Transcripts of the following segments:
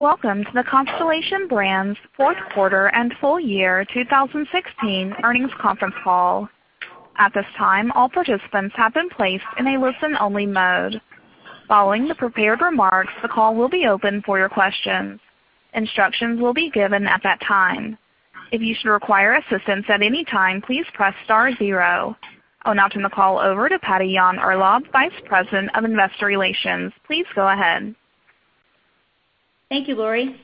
Welcome to the Constellation Brands fourth quarter and full year 2016 earnings conference call. At this time, all participants have been placed in a listen-only mode. Following the prepared remarks, the call will be open for your questions. Instructions will be given at that time. If you should require assistance at any time, please press star zero. I'll now turn the call over to Patty Yahn-Urlaub, Vice President of Investor Relations. Please go ahead. Thank you, Lori.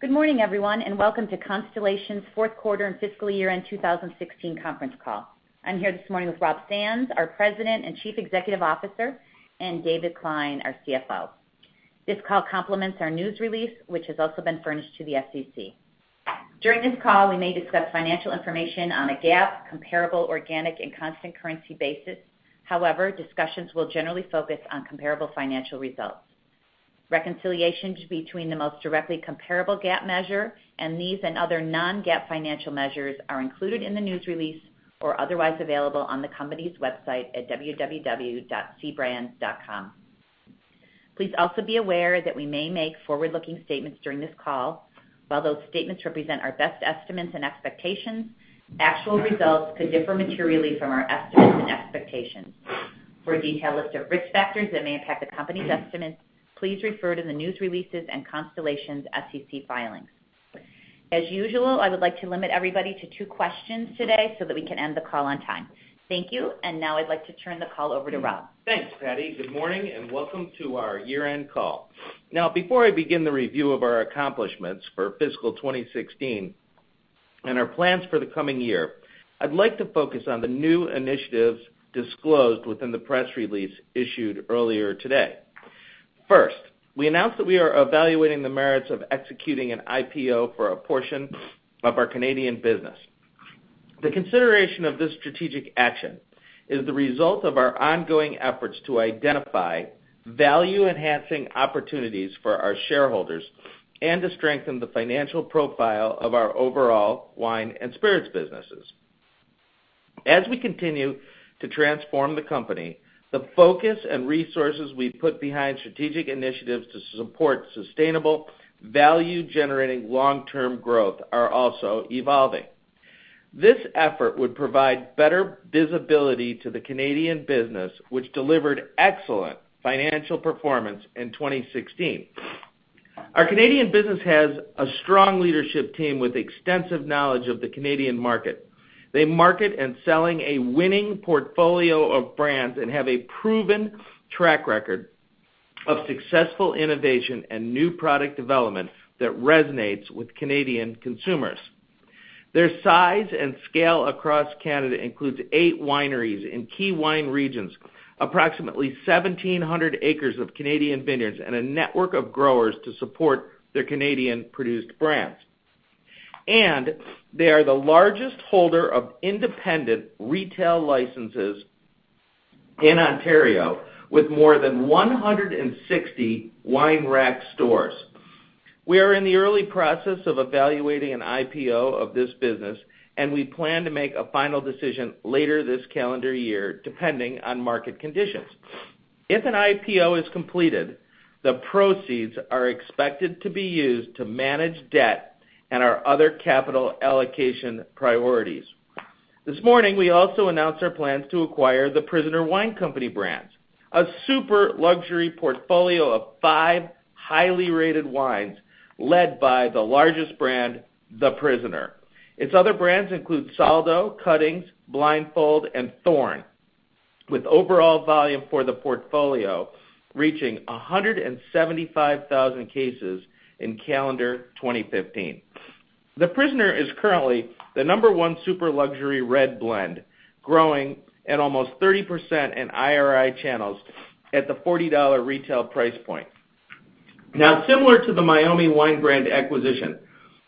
Good morning, everyone, welcome to Constellation's fourth quarter and fiscal year-end 2016 conference call. I'm here this morning with Rob Sands, our President and Chief Executive Officer, and David Klein, our CFO. This call complements our news release, which has also been furnished to the SEC. During this call, we may discuss financial information on a GAAP, comparable, organic, and constant currency basis. However, discussions will generally focus on comparable financial results. Reconciliations between the most directly comparable GAAP measure and these and other non-GAAP financial measures are included in the news release or otherwise available on the company's website at www.cbrands.com. Please also be aware that we may make forward-looking statements during this call. While those statements represent our best estimates and expectations, actual results could differ materially from our estimates and expectations. For a detailed list of risk factors that may impact the company's estimates, please refer to the news releases and Constellation's SEC filings. As usual, I would like to limit everybody to two questions today so that we can end the call on time. Thank you. Now I'd like to turn the call over to Rob. Thanks, Patty. Good morning and welcome to our year-end call. Now, before I begin the review of our accomplishments for fiscal 2016 and our plans for the coming year, I'd like to focus on the new initiatives disclosed within the press release issued earlier today. First, we announced that we are evaluating the merits of executing an IPO for a portion of our Canadian business. The consideration of this strategic action is the result of our ongoing efforts to identify value-enhancing opportunities for our shareholders and to strengthen the financial profile of our overall wine and spirits businesses. As we continue to transform the company, the focus and resources we put behind strategic initiatives to support sustainable, value-generating long-term growth are also evolving. This effort would provide better visibility to the Canadian business, which delivered excellent financial performance in 2016. Our Canadian business has a strong leadership team with extensive knowledge of the Canadian market. They market and selling a winning portfolio of brands and have a proven track record of successful innovation and new product development that resonates with Canadian consumers. Their size and scale across Canada includes eight wineries in key wine regions, approximately 1,700 acres of Canadian vineyards, and a network of growers to support their Canadian-produced brands. They are the largest holder of independent retail licenses in Ontario, with more than 160 Wine Rack stores. We are in the early process of evaluating an IPO of this business, and we plan to make a final decision later this calendar year, depending on market conditions. If an IPO is completed, the proceeds are expected to be used to manage debt and our other capital allocation priorities. This morning, we also announced our plans to acquire The Prisoner Wine Company brands, a super luxury portfolio of five highly rated wines, led by the largest brand, The Prisoner. Its other brands include Saldo, Cuttings, Blindfold, and Thorn, with overall volume for the portfolio reaching 175,000 cases in calendar 2015. The Prisoner is currently the number one super luxury red blend, growing at almost 30% in IRI channels at the $40 retail price point. Similar to the Meiomi wine brand acquisition,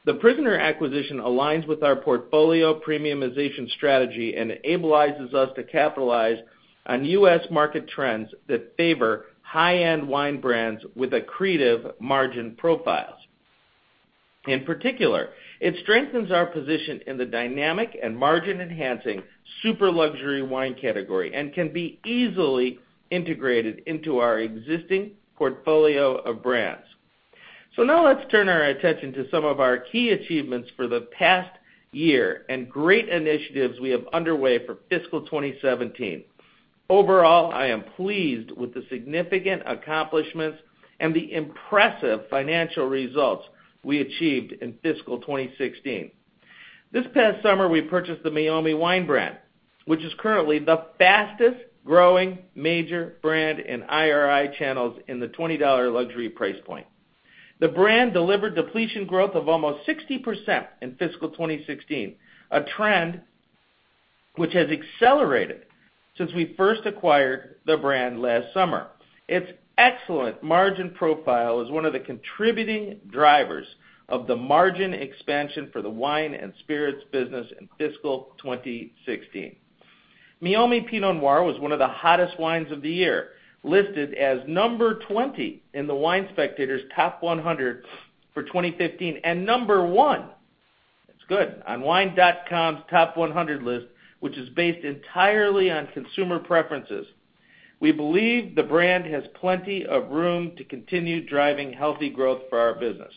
The Prisoner acquisition aligns with our portfolio premiumization strategy and enables us to capitalize on U.S. market trends that favor high-end wine brands with accretive margin profiles. In particular, it strengthens our position in the dynamic and margin-enhancing super luxury wine category and can be easily integrated into our existing portfolio of brands. Now let's turn our attention to some of our key achievements for the past year and great initiatives we have underway for fiscal 2017. Overall, I am pleased with the significant accomplishments and the impressive financial results we achieved in fiscal 2016. This past summer, we purchased the Meiomi wine brand, which is currently the fastest-growing major brand in IRI channels in the $20 luxury price point. The brand delivered depletion growth of almost 60% in fiscal 2016, a trend which has accelerated since we first acquired the brand last summer. Its excellent margin profile is one of the contributing drivers of the margin expansion for the wine and spirits business in fiscal 2016. Meiomi Pinot Noir was one of the hottest wines of the year, listed as number 20 in the Wine Spectator's Top 100 for 2015 and number one. On Wine.com's top 100 list, which is based entirely on consumer preferences. We believe the brand has plenty of room to continue driving healthy growth for our business.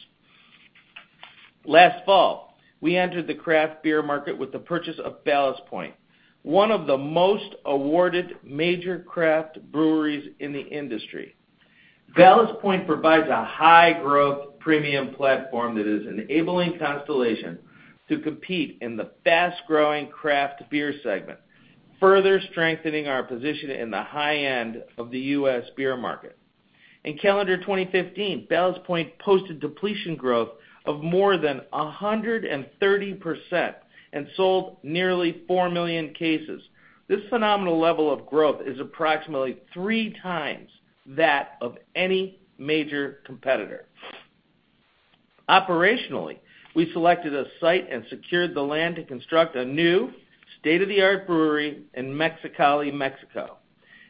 Last fall, we entered the craft beer market with the purchase of Ballast Point, one of the most awarded major craft breweries in the industry. Ballast Point provides a high growth premium platform that is enabling Constellation to compete in the fast-growing craft beer segment, further strengthening our position in the high end of the U.S. beer market. In calendar 2015, Ballast Point posted depletion growth of more than 130% and sold nearly 4 million cases. This phenomenal level of growth is approximately 3 times that of any major competitor. Operationally, we selected a site and secured the land to construct a new state-of-the-art brewery in Mexicali, Mexico.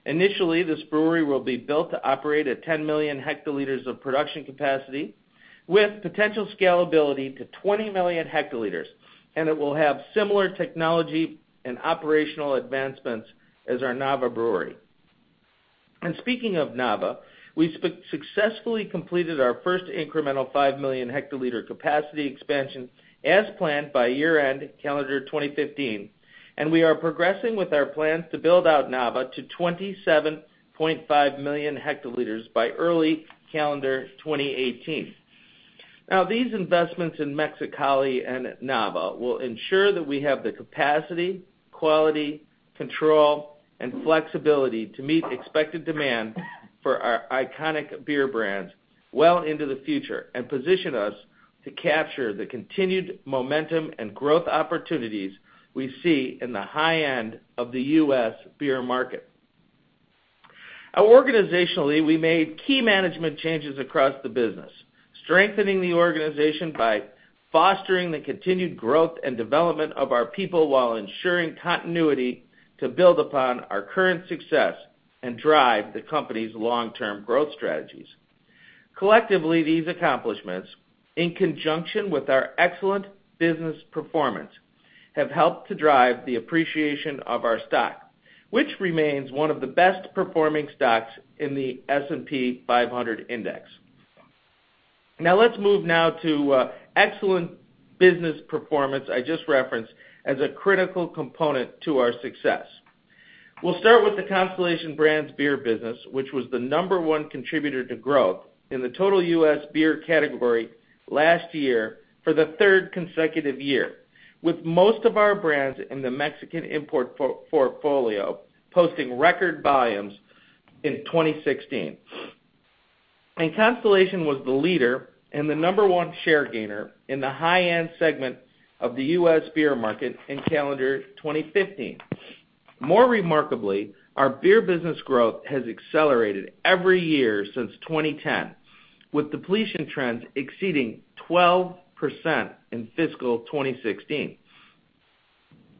Initially, this brewery will be built to operate at 10 million hectoliters of production capacity with potential scalability to 20 million hectoliters, and it will have similar technology and operational advancements as our Nava Brewery. Speaking of Nava, we successfully completed our first incremental 5 million hectoliter capacity expansion as planned by year-end calendar 2015, and we are progressing with our plans to build out Nava to 27.5 million hectoliters by early calendar 2018. These investments in Mexicali and Nava will ensure that we have the capacity, quality, control, and flexibility to meet expected demand for our iconic beer brands well into the future and position us to capture the continued momentum and growth opportunities we see in the high end of the U.S. beer market. Organizationally, we made key management changes across the business, strengthening the organization by fostering the continued growth and development of our people, while ensuring continuity to build upon our current success and drive the company's long-term growth strategies. Collectively, these accomplishments, in conjunction with our excellent business performance, have helped to drive the appreciation of our stock, which remains one of the best-performing stocks in the S&P 500 index. Let's move now to, excellent business performance I just referenced as a critical component to our success. We'll start with the Constellation Brands beer business, which was the number one contributor to growth in the total U.S. beer category last year for the third consecutive year, with most of our brands in the Mexican import portfolio posting record volumes in 2016. Constellation was the leader and the number one share gainer in the high-end segment of the U.S. beer market in calendar 2015. More remarkably, our beer business growth has accelerated every year since 2010, with depletion trends exceeding 12% in fiscal 2016.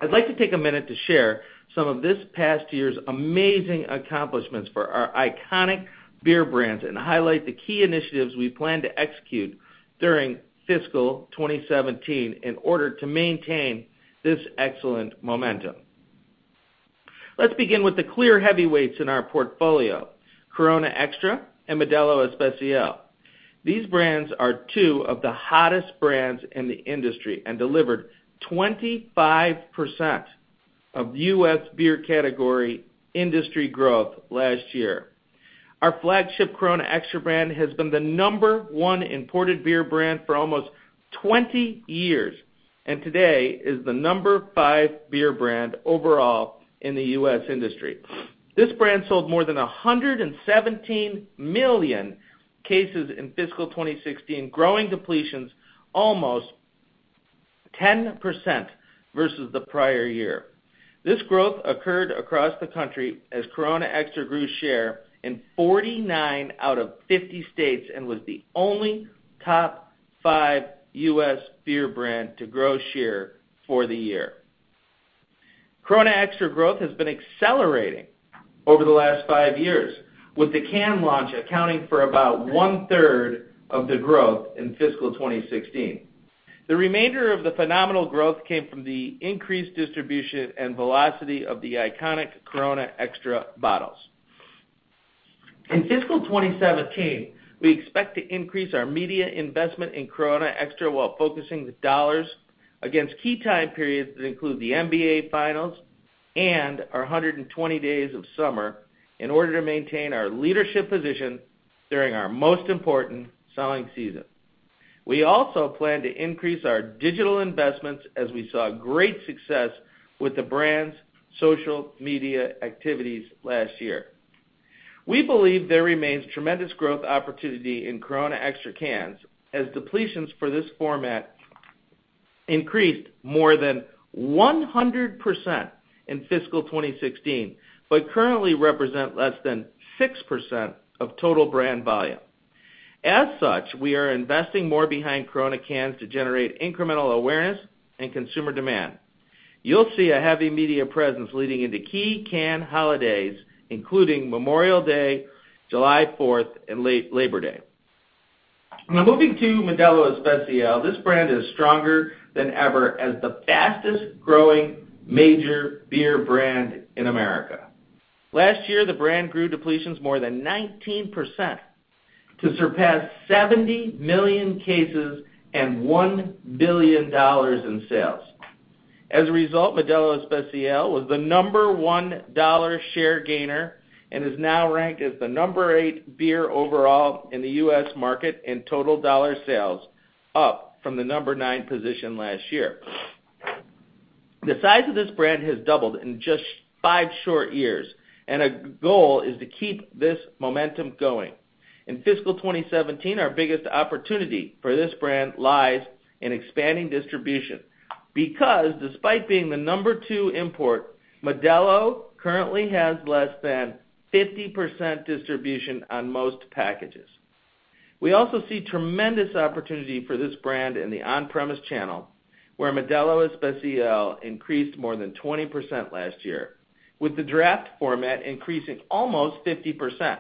I'd like to take a minute to share some of this past year's amazing accomplishments for our iconic beer brands and highlight the key initiatives we plan to execute during fiscal 2017 in order to maintain this excellent momentum. Let's begin with the clear heavyweights in our portfolio, Corona Extra and Modelo Especial. These brands are two of the hottest brands in the industry and delivered 25% of U.S. beer category industry growth last year. Our flagship Corona Extra brand has been the number one imported beer brand for almost 20 years, and today is the number five beer brand overall in the U.S. industry. This brand sold more than 117 million cases in fiscal 2016, growing depletions almost 10% versus the prior year. This growth occurred across the country as Corona Extra grew share in 49 out of 50 states and was the only top five U.S. beer brand to grow share for the year. Corona Extra growth has been accelerating over the last five years, with the can launch accounting for about one-third of the growth in fiscal 2016. The remainder of the phenomenal growth came from the increased distribution and velocity of the iconic Corona Extra bottles. In fiscal 2017, we expect to increase our media investment in Corona Extra while focusing the dollars against key time periods that include the NBA finals and our 120 days of summer, in order to maintain our leadership position during our most important selling season. We also plan to increase our digital investments as we saw great success with the brand's social media activities last year. We believe there remains tremendous growth opportunity in Corona Extra cans, as depletions for this format increased more than 100% in fiscal 2016, but currently represent less than 6% of total brand volume. We are investing more behind Corona cans to generate incremental awareness and consumer demand. You'll see a heavy media presence leading into key can holidays, including Memorial Day, July 4th, and Labor Day. Moving to Modelo Especial. This brand is stronger than ever as the fastest-growing major beer brand in America. Last year, the brand grew depletions more than 19% to surpass 70 million cases and $1 billion in sales. Modelo Especial was the number one dollar share gainer and is now ranked as the number eight beer overall in the U.S. market in total dollar sales, up from the number nine position last year. The size of this brand has doubled in just five short years, a goal is to keep this momentum going. In fiscal 2017, our biggest opportunity for this brand lies in expanding distribution because despite being the number two import, Modelo currently has less than 50% distribution on most packages. We also see tremendous opportunity for this brand in the on-premise channel, where Modelo Especial increased more than 20% last year, with the draft format increasing almost 50%,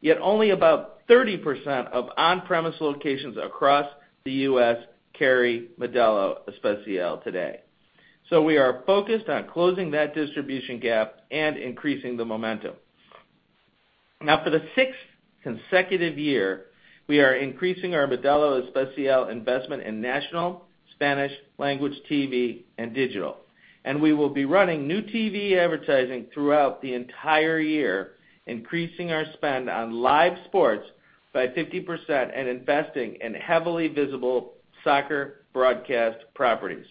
yet only about 30% of on-premise locations across the U.S. carry Modelo Especial today. We are focused on closing that distribution gap and increasing the momentum. For the sixth consecutive year, we are increasing our Modelo Especial investment in national Spanish language TV and digital, we will be running new TV advertising throughout the entire year, increasing our spend on live sports by 50% and investing in heavily visible soccer broadcast properties.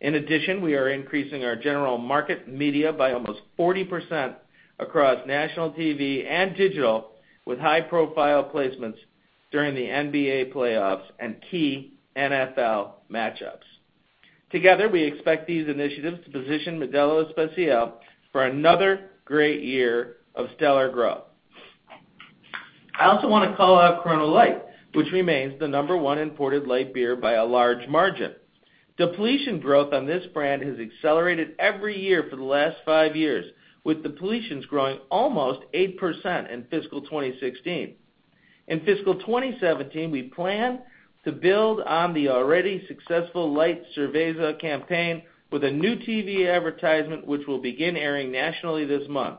In addition, we are increasing our general market media by almost 40% across national TV and digital, with high-profile placements during the NBA playoffs and key NFL matchups. Together, we expect these initiatives to position Modelo Especial for another great year of stellar growth. I also want to call out Corona Light, which remains the number one imported light beer by a large margin. Depletion growth on this brand has accelerated every year for the last five years, with depletions growing almost 8% in fiscal 2016. In fiscal 2017, we plan to build on the already successful Light Cerveza campaign with a new TV advertisement, which will begin airing nationally this month.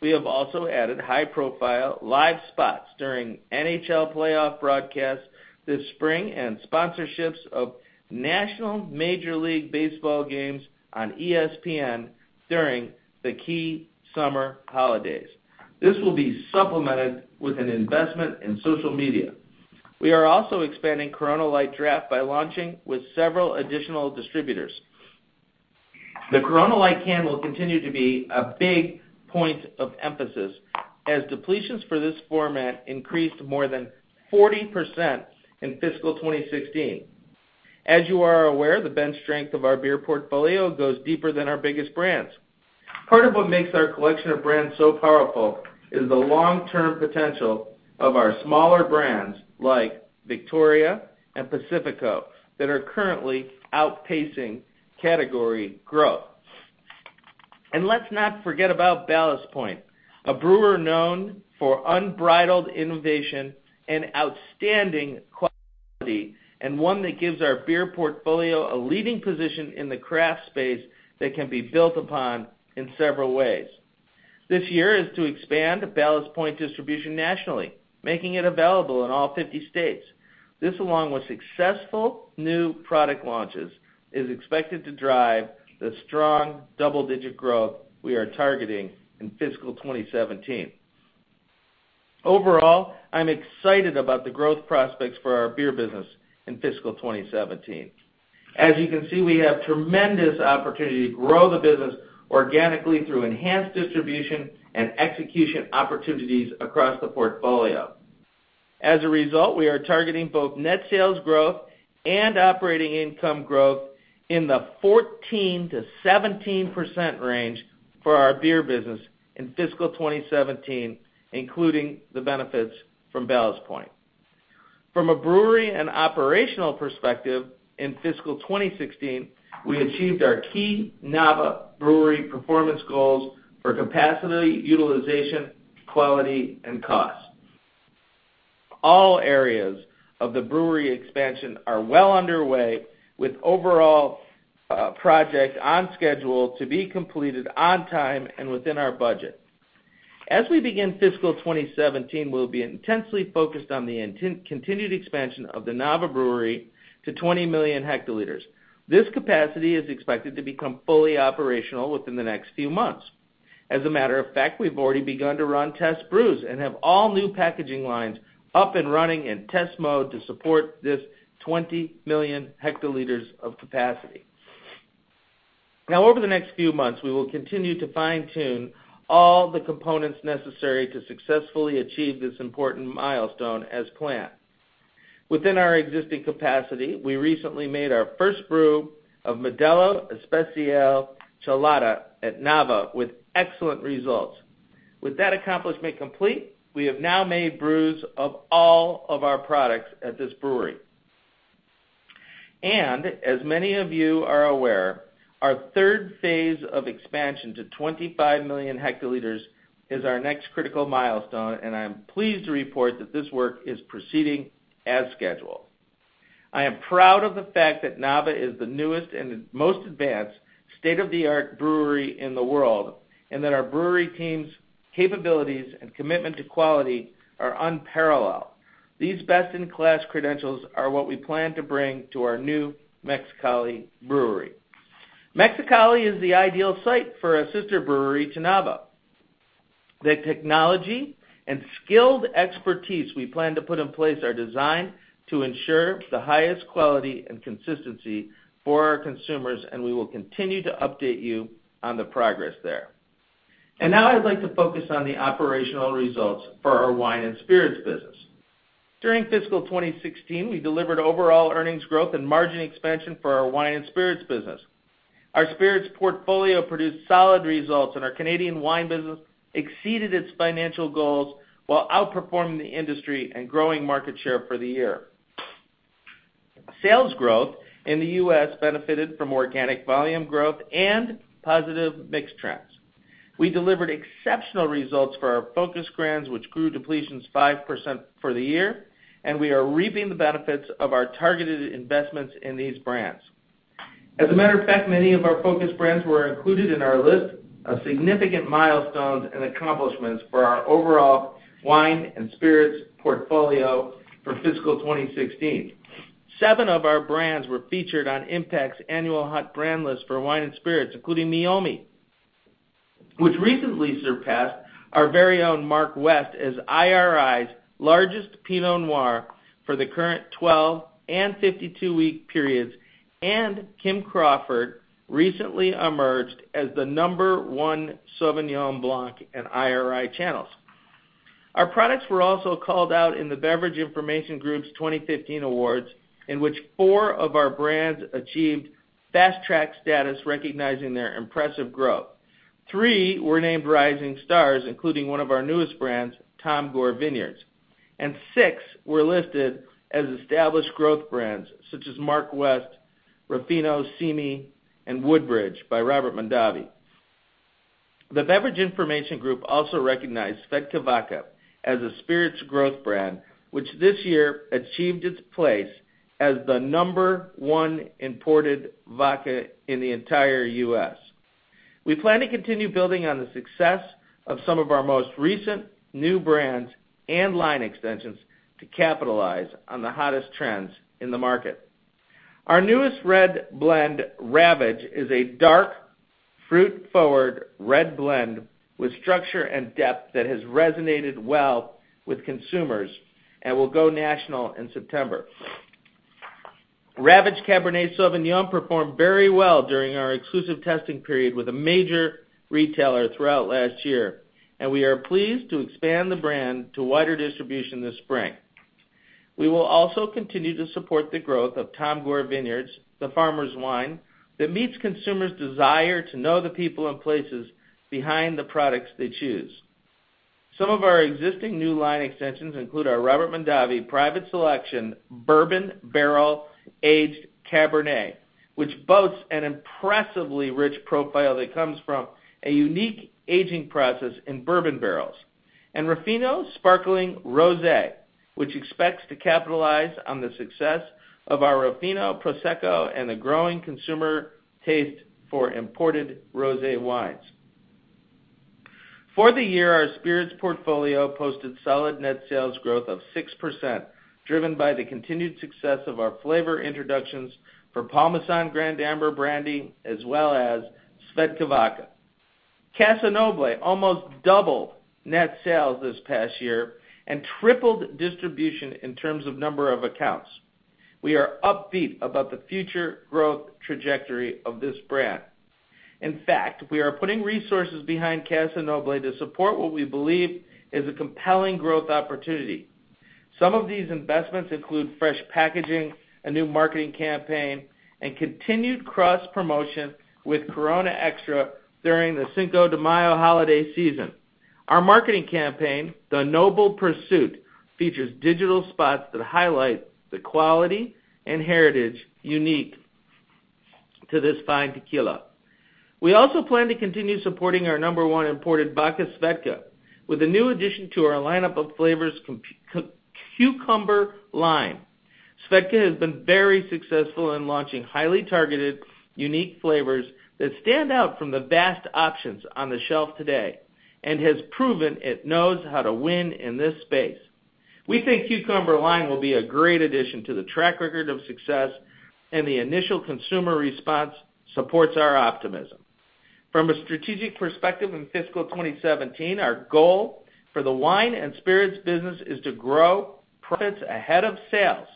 We have also added high profile live spots during NHL playoff broadcasts this spring and sponsorships of national Major League Baseball games on ESPN during the key summer holidays. This will be supplemented with an investment in social media. We are also expanding Corona Light draft by launching with several additional distributors. The Corona Light can will continue to be a big point of emphasis as depletions for this format increased more than 40% in fiscal 2016. As you are aware, the bench strength of our beer portfolio goes deeper than our biggest brands. Part of what makes our collection of brands so powerful is the long-term potential of our smaller brands like Victoria and Pacifico that are currently outpacing category growth. Let's not forget about Ballast Point, a brewer known for unbridled innovation and outstanding quality, and one that gives our beer portfolio a leading position in the craft space that can be built upon in several ways. This year is to expand Ballast Point distribution nationally, making it available in all 50 states. This, along with successful new product launches, is expected to drive the strong double-digit growth we are targeting in fiscal 2017. Overall, I'm excited about the growth prospects for our beer business in fiscal 2017. As you can see, we have tremendous opportunity to grow the business organically through enhanced distribution and execution opportunities across the portfolio. As a result, we are targeting both net sales growth and operating income growth in the 14%-17% range for our beer business in fiscal 2017, including the benefits from Ballast Point. From a brewery and operational perspective, in fiscal 2016, we achieved our key Nava Brewery performance goals for capacity, utilization, quality and cost. All areas of the brewery expansion are well underway with overall project on schedule to be completed on time and within our budget. As we begin fiscal 2017, we'll be intensely focused on the continued expansion of the Nava Brewery to 20 million hectoliters. This capacity is expected to become fully operational within the next few months. As a matter of fact, we've already begun to run test brews and have all new packaging lines up and running in test mode to support this 20 million hectoliters of capacity. Over the next few months, we will continue to fine tune all the components necessary to successfully achieve this important milestone as planned. Within our existing capacity, we recently made our first brew of Modelo Especial Chelada at Nava with excellent results. With that accomplishment complete, we have now made brews of all of our products at this brewery. As many of you are aware, our phase 3 of expansion to 25 million hectoliters is our next critical milestone, and I am pleased to report that this work is proceeding as scheduled. I am proud of the fact that Nava is the newest and most advanced state-of-the-art brewery in the world, and that our brewery team's capabilities and commitment to quality are unparalleled. These best-in-class credentials are what we plan to bring to our new Mexicali brewery. Mexicali is the ideal site for a sister brewery to Nava. The technology and skilled expertise we plan to put in place are designed to ensure the highest quality and consistency for our consumers, and we will continue to update you on the progress there. Now I'd like to focus on the operational results for our wine and spirits business. During fiscal 2016, we delivered overall earnings growth and margin expansion for our wine and spirits business. Our spirits portfolio produced solid results, and our Canadian wine business exceeded its financial goals while outperforming the industry and growing market share for the year. Sales growth in the U.S. benefited from organic volume growth and positive mix trends. We delivered exceptional results for our focus brands, which grew depletions 5% for the year, and we are reaping the benefits of our targeted investments in these brands. As a matter of fact, many of our focus brands were included in our list of significant milestones and accomplishments for our overall wine and spirits portfolio for fiscal 2016. Seven of our brands were featured on Impact's annual Hot Brand list for wine and spirits, including Meiomi, which recently surpassed our very own Mark West as IRI's largest Pinot Noir for the current 12 and 52-week periods. Kim Crawford recently emerged as the number 1 Sauvignon Blanc in IRI channels. Our products were also called out in the Beverage Information Group's 2015 awards, in which four of our brands achieved Fast Track status, recognizing their impressive growth. Three were named Rising Stars, including one of our newest brands, Tom Gore Vineyards. Six were listed as Established Growth brands, such as Mark West, Ruffino, Simi, and Woodbridge by Robert Mondavi. The Beverage Information Group also recognized SVEDKA Vodka as a spirits growth brand, which this year achieved its place as the number 1 imported vodka in the entire U.S. We plan to continue building on the success of some of our most recent new brands and line extensions to capitalize on the hottest trends in the market. Our newest red blend, Ravage, is a dark, fruit-forward red blend with structure and depth that has resonated well with consumers and will go national in September. Ravage Cabernet Sauvignon performed very well during our exclusive testing period with a major retailer throughout last year, and we are pleased to expand the brand to wider distribution this spring. We will also continue to support the growth of Tom Gore Vineyards, the farmer's wine that meets consumers' desire to know the people and places behind the products they choose. Some of our existing new line extensions include our Robert Mondavi Private Selection Bourbon Barrel-Aged Cabernet, which boasts an impressively rich profile that comes from a unique aging process in bourbon barrels. Ruffino Sparkling Rosé expects to capitalize on the success of our Ruffino Prosecco and the growing consumer taste for imported rosé wines. For the year, our spirits portfolio posted solid net sales growth of 6%, driven by the continued success of our flavor introductions for Paul Masson Grande Amber Brandy, as well as SVEDKA Vodka. Casa Noble almost doubled net sales this past year and tripled distribution in terms of number of accounts. We are upbeat about the future growth trajectory of this brand. In fact, we are putting resources behind Casa Noble to support what we believe is a compelling growth opportunity. Some of these investments include fresh packaging, a new marketing campaign, and continued cross-promotion with Corona Extra during the Cinco de Mayo holiday season. Our marketing campaign, The Noble Pursuit, features digital spots that highlight the quality and heritage unique to this fine tequila. We also plan to continue supporting our number 1 imported vodka, SVEDKA, with a new addition to our lineup of flavors, Cucumber Lime. SVEDKA has been very successful in launching highly targeted, unique flavors that stand out from the vast options on the shelf today, and has proven it knows how to win in this space. We think Cucumber Lime will be a great addition to the track record of success, and the initial consumer response supports our optimism. From a strategic perspective in fiscal 2017, our goal for the wine and spirits business is to grow profits ahead of sales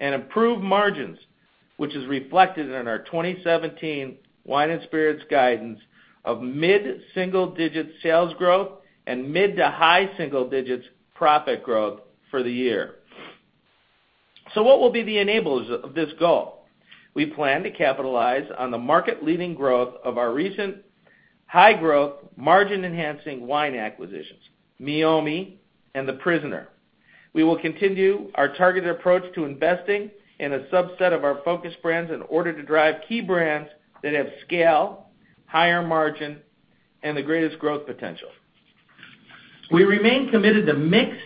and improve margins, which is reflected in our 2017 wine and spirits guidance of mid-single-digit sales growth and mid to high single digits profit growth for the year. What will be the enablers of this goal? We plan to capitalize on the market-leading growth of our recent high growth, margin-enhancing wine acquisitions, Meiomi and The Prisoner. We will continue our targeted approach to investing in a subset of our focus brands in order to drive key brands that have scale, higher margin, and the greatest growth potential. We remain committed to mix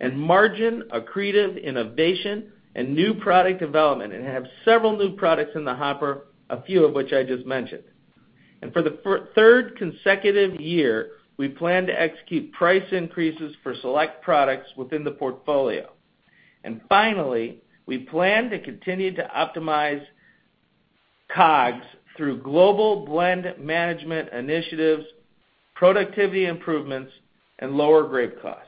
and margin accretive innovation and new product development and have several new products in the hopper, a few of which I just mentioned. For the third consecutive year, we plan to execute price increases for select products within the portfolio. Finally, we plan to continue to optimize COGS through global blend management initiatives, productivity improvements, and lower grape costs.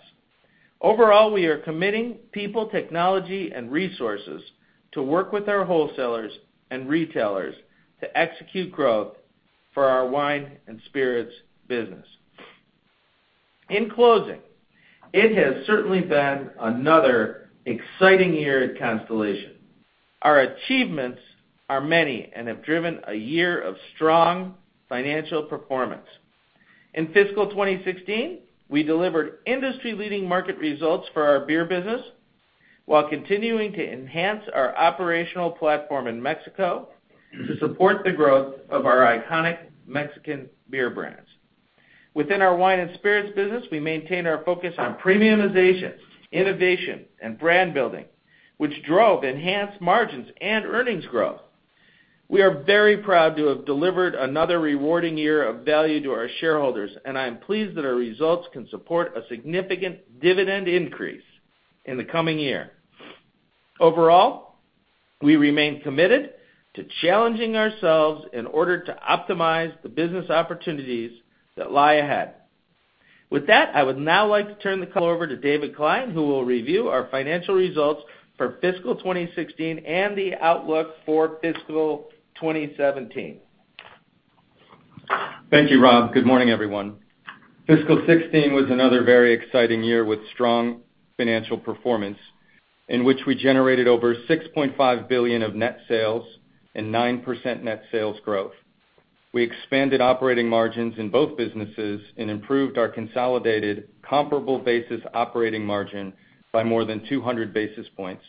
Overall, we are committing people, technology, and resources to work with our wholesalers and retailers to execute growth for our wine and and spirits business. In closing, it has certainly been another exciting year at Constellation. Our achievements are many and have driven a year of strong financial performance. In fiscal 2016, we delivered industry-leading market results for our beer business while continuing to enhance our operational platform in Mexico to support the growth of our iconic Mexican beer brands. Within our wine and spirits business, we maintain our focus on premiumization, innovation, and brand building, which drove enhanced margins and earnings growth. We are very proud to have delivered another rewarding year of value to our shareholders, and I am pleased that our results can support a significant dividend increase in the coming year. Overall, we remain committed to challenging ourselves in order to optimize the business opportunities that lie ahead. With that, I would now like to turn the call over to David Klein, who will review our financial results for fiscal 2016 and the outlook for fiscal 2017. Thank you, Rob. Good morning, everyone. Fiscal 2016 was another very exciting year with strong financial performance, in which we generated over $6.5 billion of net sales and 9% net sales growth. We expanded operating margins in both businesses and improved our consolidated comparable basis operating margin by more than 200 basis points.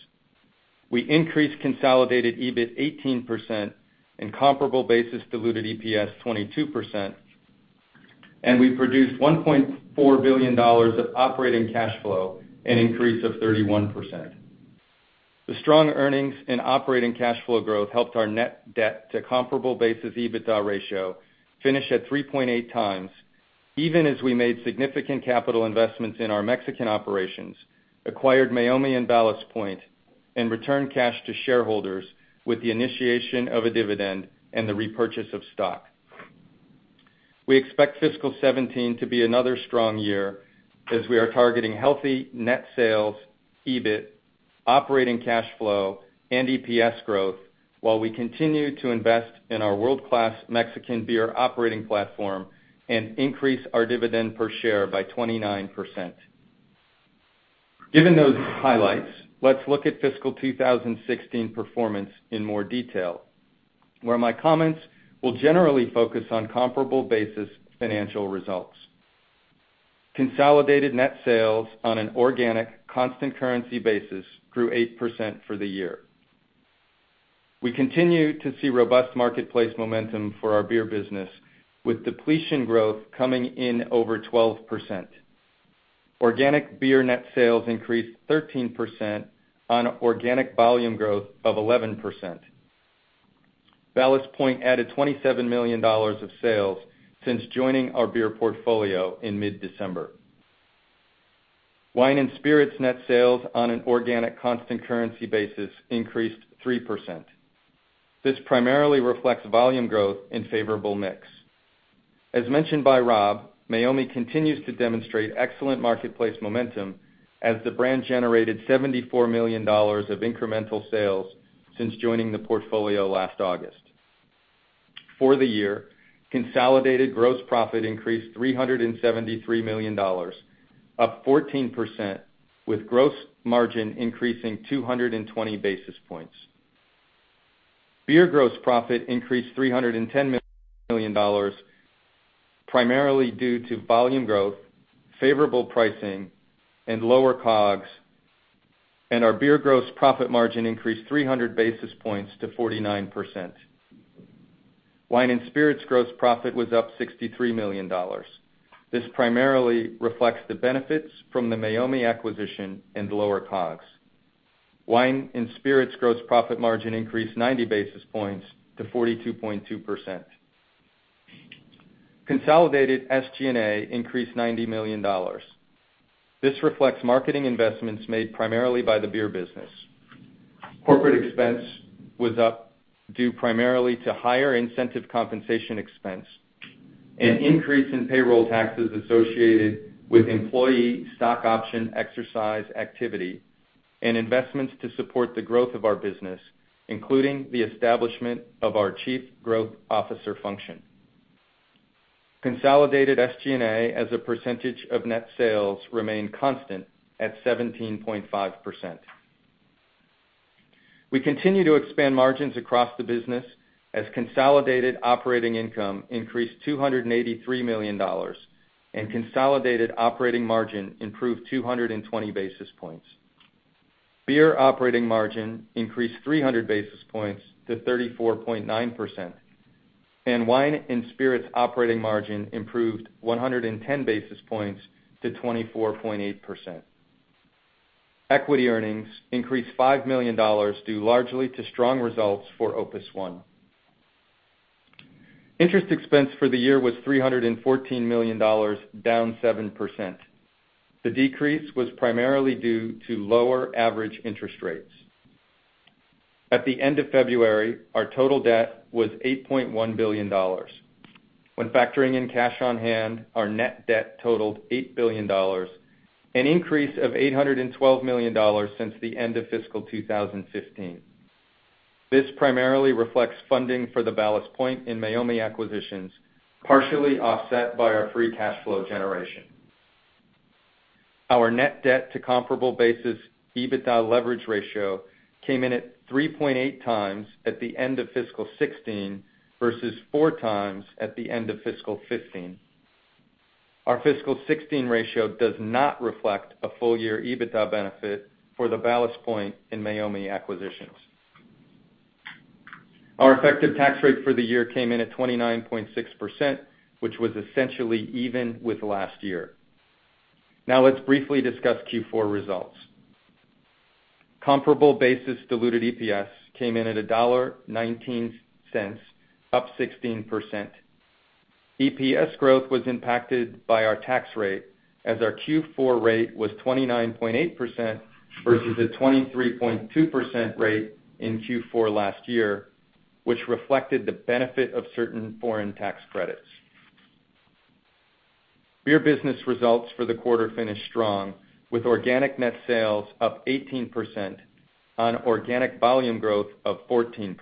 We increased consolidated EBIT 18% and comparable basis diluted EPS 22%, and we produced $1.4 billion of operating cash flow, an increase of 31%. The strong earnings and operating cash flow growth helped our net debt to comparable basis EBITDA ratio finish at 3.8 times, even as we made significant capital investments in our Mexican operations, acquired Meiomi and Ballast Point, and returned cash to shareholders with the initiation of a dividend and the repurchase of stock. We expect fiscal 2017 to be another strong year as we are targeting healthy net sales, EBIT, operating cash flow, and EPS growth while we continue to invest in our world-class Mexican beer operating platform and increase our dividend per share by 29%. Given those highlights, let's look at fiscal 2016 performance in more detail, where my comments will generally focus on comparable basis financial results. Consolidated net sales on an organic, constant currency basis grew 8% for the year. We continue to see robust marketplace momentum for our beer business, with depletion growth coming in over 12%. Organic beer net sales increased 13% on organic volume growth of 11%. Ballast Point added $27 million of sales since joining our beer portfolio in mid-December. Wine and spirits net sales on an organic constant currency basis increased 3%. This primarily reflects volume growth and favorable mix. As mentioned by Rob, Meiomi continues to demonstrate excellent marketplace momentum as the brand generated $74 million of incremental sales since joining the portfolio last August. For the year, consolidated gross profit increased $373 million, up 14%, with gross margin increasing 220 basis points. Beer gross profit increased $310 million primarily due to volume growth, favorable pricing, and lower COGS, and our Beer gross profit margin increased 300 basis points to 49%. Wine and spirits gross profit was up $63 million. This primarily reflects the benefits from the Meiomi acquisition and lower COGS. Wine and spirits gross profit margin increased 90 basis points to 42.2%. Consolidated SG&A increased $90 million. This reflects marketing investments made primarily by the beer business. Corporate expense was up due primarily to higher incentive compensation expense, an increase in payroll taxes associated with employee stock option exercise activity, and investments to support the growth of our business, including the establishment of our Chief Growth Officer function. Consolidated SG&A as a percentage of net sales remained constant at 17.5%. We continue to expand margins across the business as consolidated operating income increased $283 million, and consolidated operating margin improved 220 basis points. Beer operating margin increased 300 basis points to 34.9%, and Wine and spirits operating margin improved 110 basis points to 24.8%. Equity earnings increased $5 million due largely to strong results for Opus One. Interest expense for the year was $314 million, down 7%. The decrease was primarily due to lower average interest rates. At the end of February, our total debt was $8.1 billion. When factoring in cash on hand, our net debt totaled $8 billion, an increase of $812 million since the end of fiscal 2015. This primarily reflects funding for the Ballast Point and Meiomi acquisitions, partially offset by our free cash flow generation. Our net debt to comparable basis, EBITDA leverage ratio came in at 3.8 times at the end of fiscal 2016 versus 4 times at the end of fiscal 2015. Our fiscal 2016 ratio does not reflect a full year EBITDA benefit for the Ballast Point and Meiomi acquisitions. Our effective tax rate for the year came in at 29.6%, which was essentially even with last year. Now let's briefly discuss Q4 results. Comparable basis diluted EPS came in at a $1.19, up 16%. EPS growth was impacted by our tax rate, as our Q4 rate was 29.8% versus a 23.2% rate in Q4 last year, which reflected the benefit of certain foreign tax credits. Beer business results for the quarter finished strong, with organic net sales up 18% on organic volume growth of 14%.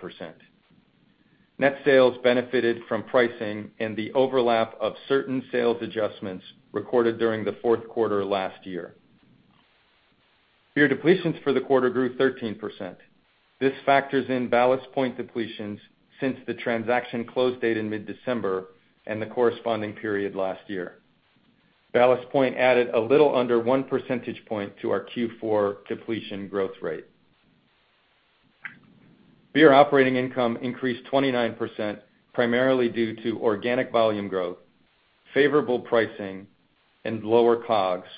Net sales benefited from pricing and the overlap of certain sales adjustments recorded during the fourth quarter last year. Beer depletions for the quarter grew 13%. This factors in Ballast Point depletions since the transaction close date in mid-December and the corresponding period last year. Ballast Point added a little under one percentage point to our Q4 depletion growth rate. Beer operating income increased 29%, primarily due to organic volume growth, favorable pricing, and lower COGS,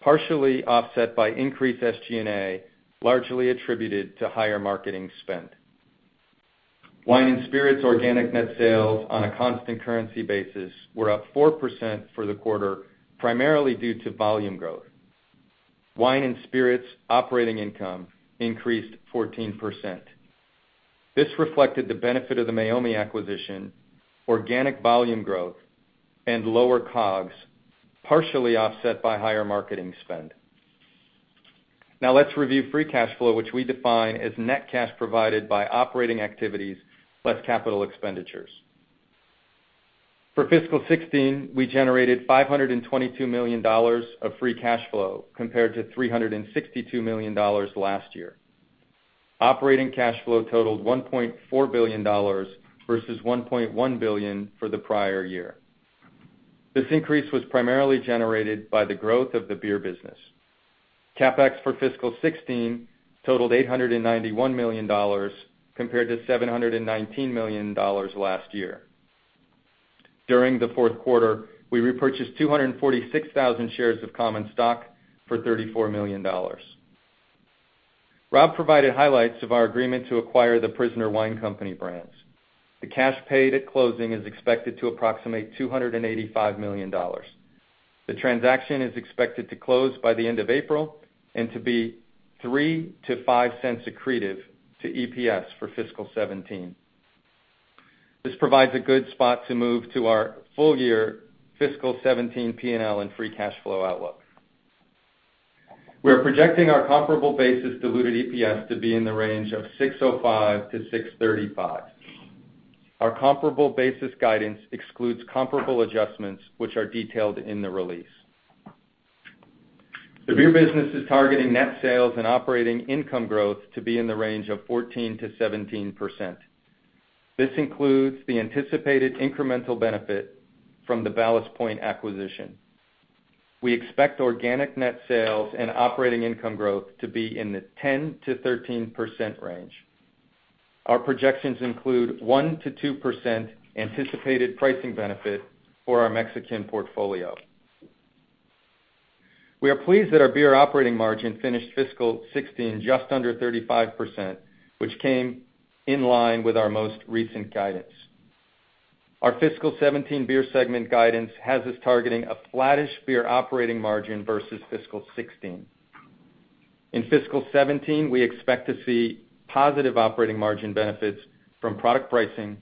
partially offset by increased SG&A, largely attributed to higher marketing spend. Wine and spirits organic net sales on a constant currency basis were up 4% for the quarter, primarily due to volume growth. Wine and spirits operating income increased 14%. This reflected the benefit of the Meiomi acquisition, organic volume growth, and lower COGS, partially offset by higher marketing spend. Now let's review free cash flow, which we define as net cash provided by operating activities less capital expenditures. For fiscal 2016, we generated $522 million of free cash flow compared to $362 million last year. Operating cash flow totaled $1.4 billion versus $1.1 billion for the prior year. This increase was primarily generated by the growth of the beer business. CapEx for fiscal 2016 totaled $891 million, compared to $719 million last year. During the fourth quarter, we repurchased 246,000 shares of common stock for $34 million. Rob provided highlights of our agreement to acquire the Prisoner Wine Company brands. The cash paid at closing is expected to approximate $285 million. The transaction is expected to close by the end of April and to be $0.03-$0.05 accretive to EPS for fiscal 2017. This provides a good spot to move to our full year fiscal 2017 P&L and free cash flow outlook. We are projecting our comparable basis diluted EPS to be in the range of $6.05-$6.35. Our comparable basis guidance excludes comparable adjustments, which are detailed in the release. The beer business is targeting net sales and operating income growth to be in the range of 14%-17%. This includes the anticipated incremental benefit from the Ballast Point acquisition. We expect organic net sales and operating income growth to be in the 10%-13% range. Our projections include 1%-2% anticipated pricing benefit for our Mexican portfolio. We are pleased that our beer operating margin finished fiscal 2016 just under 35%, which came in line with our most recent guidance. Our fiscal 2017 beer segment guidance has us targeting a flattish beer operating margin versus fiscal 2016. In fiscal 2017, we expect to see positive operating margin benefits from product pricing,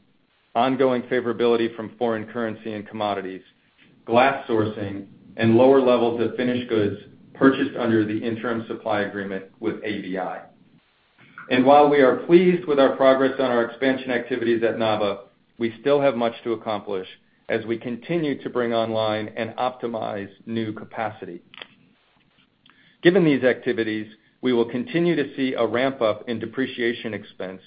ongoing favorability from foreign currency and commodities, glass sourcing, and lower levels of finished goods purchased under the interim supply agreement with ABI. While we are pleased with our progress on our expansion activities at Nava, we still have much to accomplish as we continue to bring online and optimize new capacity. Given these activities, we will continue to see a ramp-up in depreciation expense,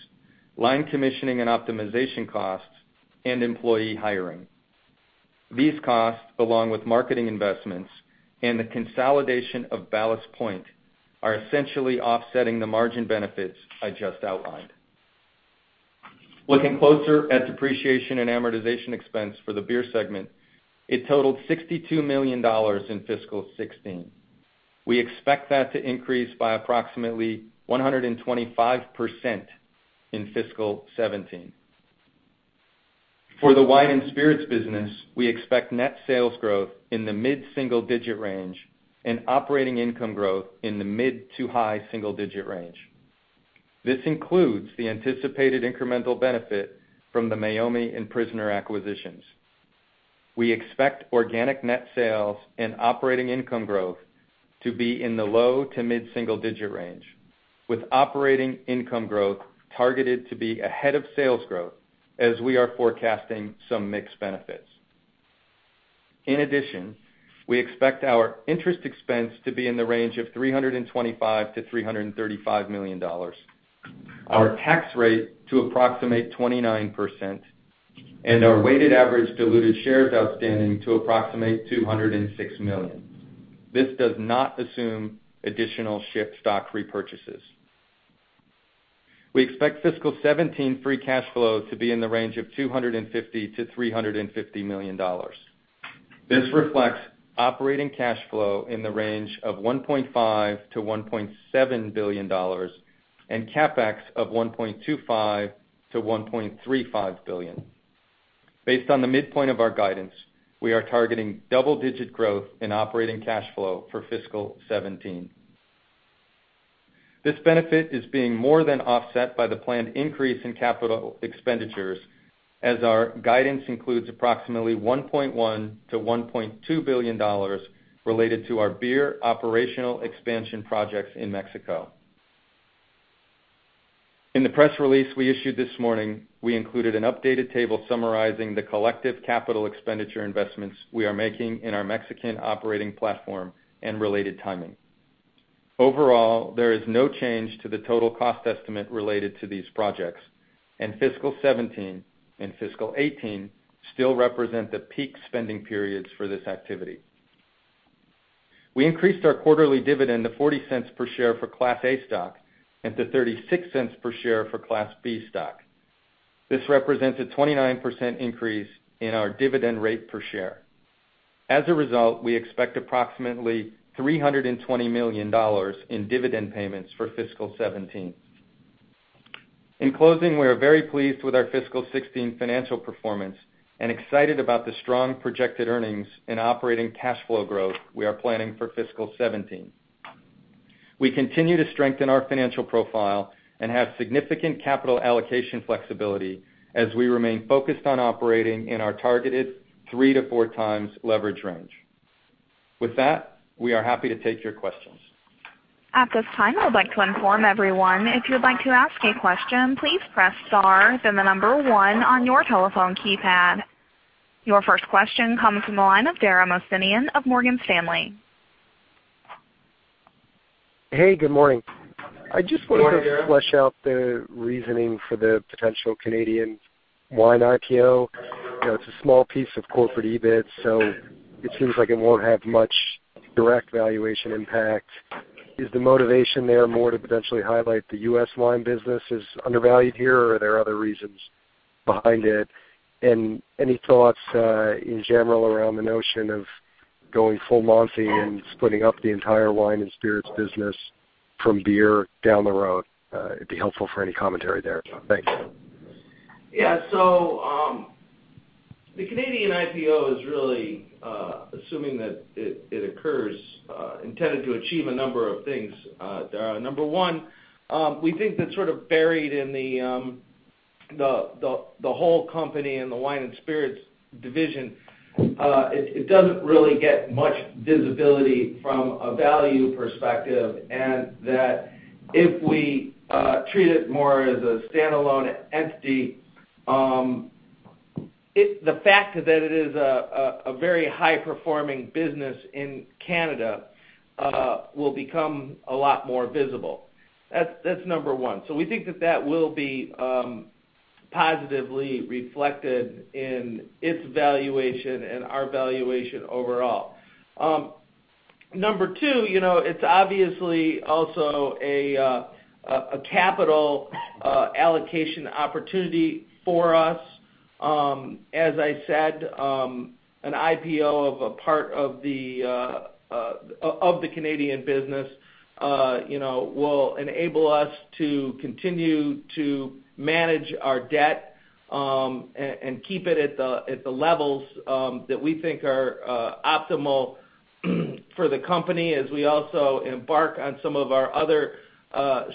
line commissioning and optimization costs, and employee hiring. These costs, along with marketing investments and the consolidation of Ballast Point, are essentially offsetting the margin benefits I just outlined. Looking closer at depreciation and amortization expense for the beer segment, it totaled $62 million in fiscal 2016. We expect that to increase by approximately 125% in fiscal 2017. For the wine and spirits business, we expect net sales growth in the mid-single digit range and operating income growth in the mid to high single digit range. This includes the anticipated incremental benefit from the Meiomi and Prisoner acquisitions. We expect organic net sales and operating income growth to be in the low to mid-single digit range, with operating income growth targeted to be ahead of sales growth as we are forecasting some mix benefits. In addition, we expect our interest expense to be in the range of $325 million-$335 million, our tax rate to approximate 29%, and our weighted average diluted shares outstanding to approximate 206 million. This does not assume additional share stock repurchases. We expect fiscal 2017 free cash flow to be in the range of $250 million-$350 million. This reflects operating cash flow in the range of $1.5 billion-$1.7 billion and CapEx of $1.25 billion-$1.35 billion. Based on the midpoint of our guidance, we are targeting double-digit growth in operating cash flow for fiscal 2017. This benefit is being more than offset by the planned increase in capital expenditures, as our guidance includes approximately $1.1 billion-$1.2 billion related to our beer operational expansion projects in Mexico. In the press release we issued this morning, we included an updated table summarizing the collective capital expenditure investments we are making in our Mexican operating platform and related timing. Overall, there is no change to the total cost estimate related to these projects, and fiscal 2017 and fiscal 2018 still represent the peak spending periods for this activity. We increased our quarterly dividend to $0.40 per share for Class A stock and to $0.36 per share for Class B stock. This represents a 29% increase in our dividend rate per share. As a result, we expect approximately $320 million in dividend payments for fiscal 2017. In closing, we are very pleased with our fiscal 2016 financial performance and excited about the strong projected earnings and operating cash flow growth we are planning for fiscal 2017. We continue to strengthen our financial profile and have significant capital allocation flexibility as we remain focused on operating in our targeted 3x-4x leverage range. With that, we are happy to take your questions. At this time, I would like to inform everyone if you'd like to ask a question, please press star, then the number 1 on your telephone keypad. Your first question comes from the line of Dara Mohsenian of Morgan Stanley. Hey, good morning. Good morning, Dara. I just wanted to flesh out the reasoning for the potential Canadian wine IPO. It's a small piece of corporate EBIT, so it seems like it won't have much direct valuation impact. Is the motivation there more to potentially highlight the U.S. wine business is undervalued here, or are there other reasons behind it? Any thoughts, in general, around the notion of going full Monty and splitting up the entire wine and spirits business from beer down the road? It'd be helpful for any commentary there. Thank you. Yeah. The Canadian IPO is really, assuming that it occurs, intended to achieve a number of things. Number one, we think that sort of buried in the whole company and the wine and spirits division, it doesn't really get much visibility from a value perspective, and that if we treat it more as a standalone entity, the fact that it is a very high performing business in Canada will become a lot more visible. That's number one. We think that that will be positively reflected in its valuation and our valuation overall. Number two, it's obviously also a capital allocation opportunity for us. As I said, an IPO of a part of the Canadian business will enable us to continue to manage our debt, and keep it at the levels that we think are optimal for the company as we also embark on some of our other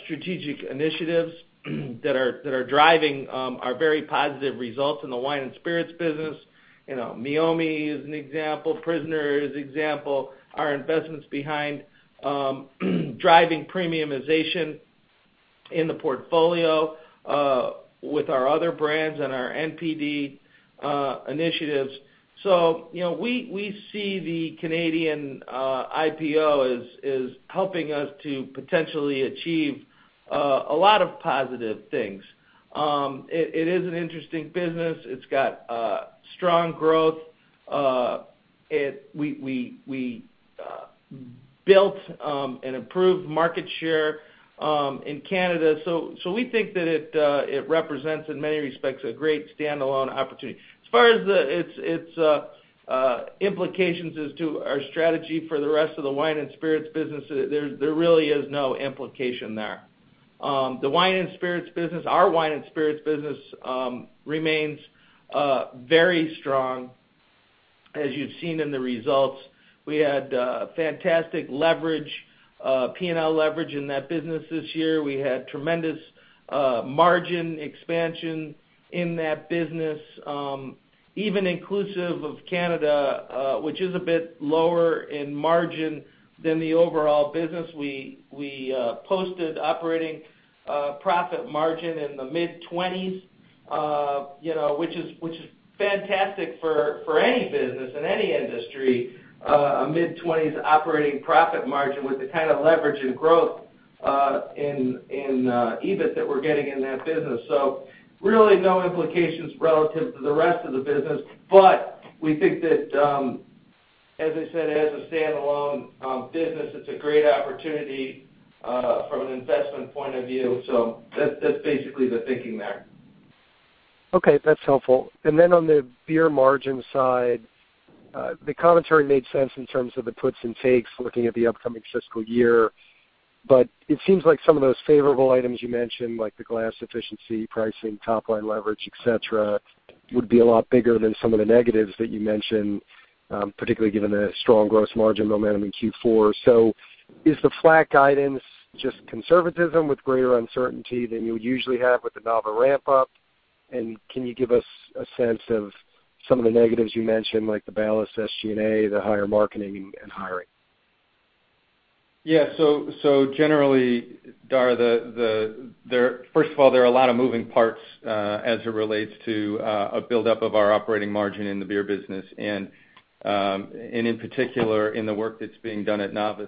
strategic initiatives that are driving our very positive results in the wine and spirits business. Meiomi is an example, The Prisoner is an example. Our investments behind driving premiumization in the portfolio with our other brands and our NPD initiatives. We see the Canadian IPO as helping us to potentially achieve a lot of positive things. It is an interesting business. It's got strong growth. We built and improved market share in Canada. We think that it represents, in many respects, a great standalone opportunity. As far as its implications as to our strategy for the rest of the wine and spirits business, there really is no implication there. The wine and spirits business, our wine and spirits business, remains very strong as you've seen in the results. We had fantastic P&L leverage in that business this year. We had tremendous margin expansion in that business. Even inclusive of Canada, which is a bit lower in margin than the overall business, we posted operating profit margin in the mid-20s, which is fantastic for any business in any industry. A mid-20s operating profit margin with the kind of leverage and growth in EBIT that we're getting in that business. Really no implications relative to the rest of the business, but we think that, as I said, as a standalone business, it's a great opportunity from an investment point of view. That's basically the thinking there. Okay, that's helpful. On the beer margin side, the commentary made sense in terms of the puts and takes looking at the upcoming fiscal year. It seems like some of those favorable items you mentioned, like the glass efficiency, pricing, top-line leverage, et cetera, would be a lot bigger than some of the negatives that you mentioned, particularly given the strong gross margin momentum in Q4. Is the flat guidance just conservatism with greater uncertainty than you would usually have with the Nava ramp-up? Can you give us a sense of some of the negatives you mentioned, like the Ballast SG&A, the higher marketing, and hiring? Generally, Dara, first of all, there are a lot of moving parts as it relates to a buildup of our operating margin in the beer business, and in particular, in the work that's being done at Nava.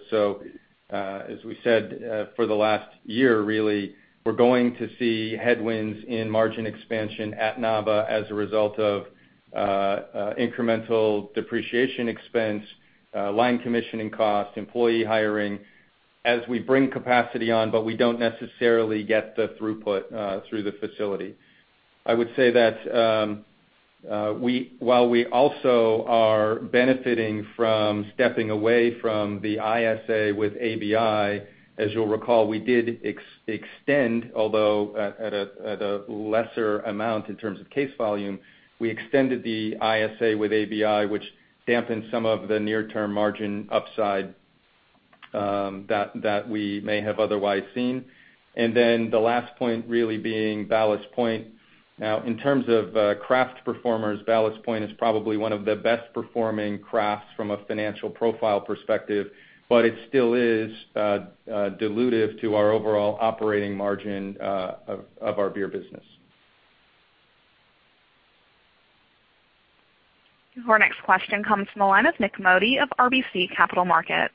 As we said for the last year really, we're going to see headwinds in margin expansion at Nava as a result of incremental depreciation expense, line commissioning cost, employee hiring as we bring capacity on, but we don't necessarily get the throughput through the facility. I would say that while we also are benefiting from stepping away from the ISA with ABI, as you'll recall, we did extend, although at a lesser amount in terms of case volume, we extended the ISA with ABI, which dampened some of the near-term margin upside that we may have otherwise seen. The last point really being Ballast Point. In terms of craft performers, Ballast Point is probably one of the best performing crafts from a financial profile perspective, it still is dilutive to our overall operating margin of our beer business. Our next question comes from the line of Nik Modi of RBC Capital Markets.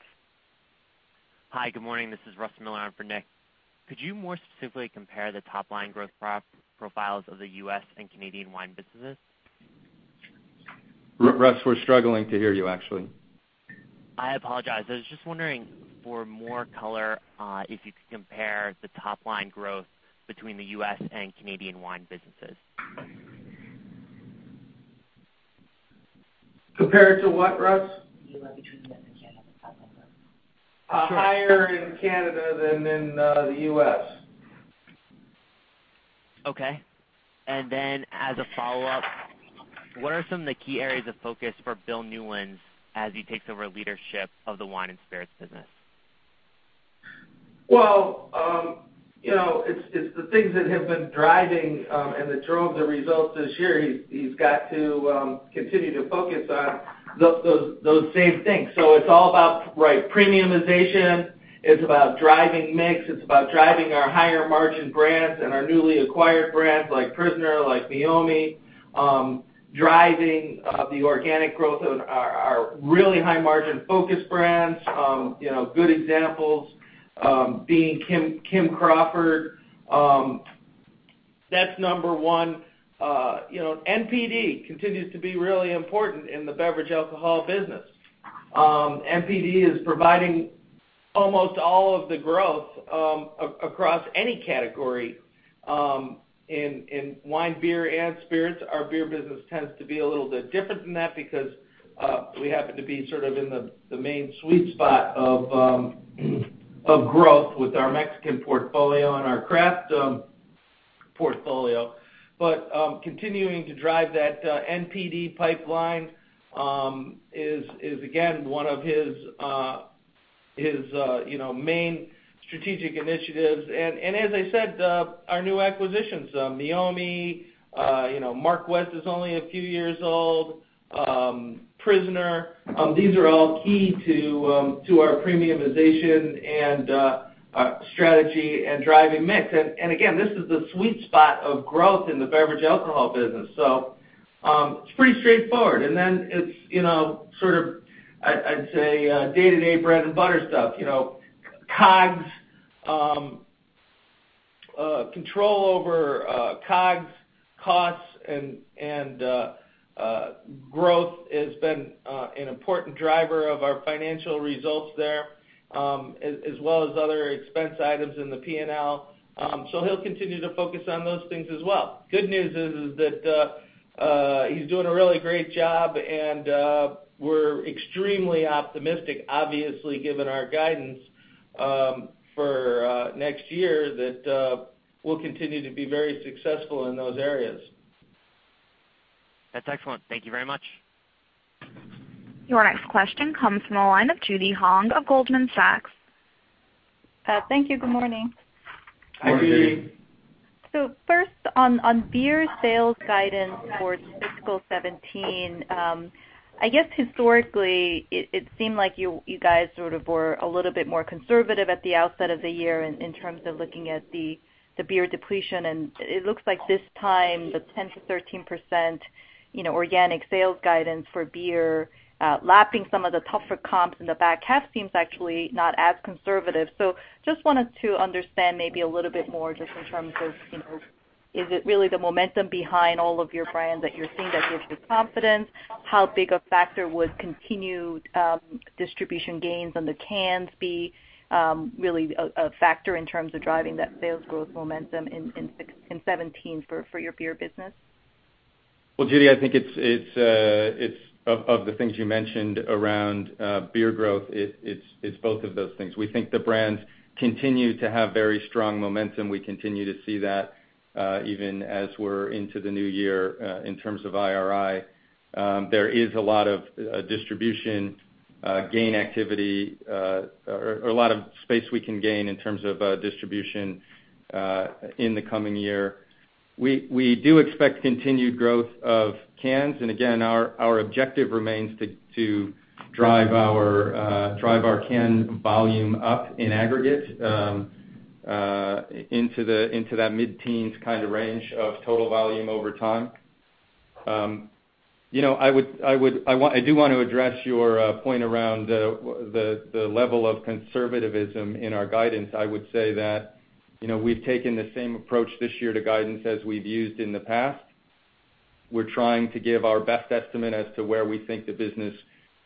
Hi, good morning. This is Russ Miller in for Nick. Could you more specifically compare the top-line growth profiles of the U.S. and Canadian wine businesses? Russ, we're struggling to hear you, actually. I apologize. I was just wondering for more color, if you could compare the top-line growth between the U.S. and Canadian wine businesses. Compare it to what, Russ? Between the U.S. and Canada. Higher in Canada than in the U.S. Okay. As a follow-up, what are some of the key areas of focus for Bill Newlands as he takes over leadership of the wine and spirits business? Well, it's the things that have been driving and that drove the results this year. He's got to continue to focus on those same things. It's all about premiumization. It's about driving mix. It's about driving our higher margin brands and our newly acquired brands like The Prisoner, like Meiomi. Driving the organic growth of our really high margin focused brands. Good examples being Kim Crawford. That's number one. NPD continues to be really important in the beverage alcohol business. NPD is providing almost all of the growth across any category in wine, beer, and spirits. Our beer business tends to be a little bit different than that because we happen to be sort of in the main sweet spot of growth with our Mexican portfolio and our craft portfolio. Continuing to drive that NPD pipeline is, again, one of his main strategic initiatives. As I said, our new acquisitions, Meiomi, Mark West is only a few years old, The Prisoner. These are all key to our premiumization and strategy and driving mix. Again, this is the sweet spot of growth in the beverage alcohol business. It's pretty straightforward. It's, I'd say, day-to-day bread and butter stuff. Control over COGS costs and growth has been an important driver of our financial results there, as well as other expense items in the P&L. He'll continue to focus on those things as well. Good news is that he's doing a really great job, and we're extremely optimistic, obviously, given our guidance, for next year, that we'll continue to be very successful in those areas. That's excellent. Thank you very much. Your next question comes from the line of Judy Hong of Goldman Sachs. Thank you. Good morning. Hi, Judy. first on beer sales guidance for fiscal 2017, I guess historically, it seemed like you guys sort of were a little bit more conservative at the outset of the year in terms of looking at the beer depletion. It looks like this time, the 10%-13% organic sales guidance for beer, lapping some of the tougher comps in the back half seems actually not as conservative. Just wanted to understand maybe a little bit more just in terms of, is it really the momentum behind all of your brands that you're seeing that gives you confidence? How big a factor would continued distribution gains on the cans be really a factor in terms of driving that sales growth momentum in 2017 for your beer business? Well, Judy, I think of the things you mentioned around beer growth, it's both of those things. We think the brands continue to have very strong momentum. We continue to see that, even as we're into the new year, in terms of IRI. There is a lot of distribution gain activity, or a lot of space we can gain in terms of distribution in the coming year. We do expect continued growth of cans. Again, our objective remains to drive our can volume up in aggregate into that mid-teens kind of range of total volume over time. I do want to address your point around the level of conservativism in our guidance. I would say that we've taken the same approach this year to guidance as we've used in the past. We're trying to give our best estimate as to where we think the business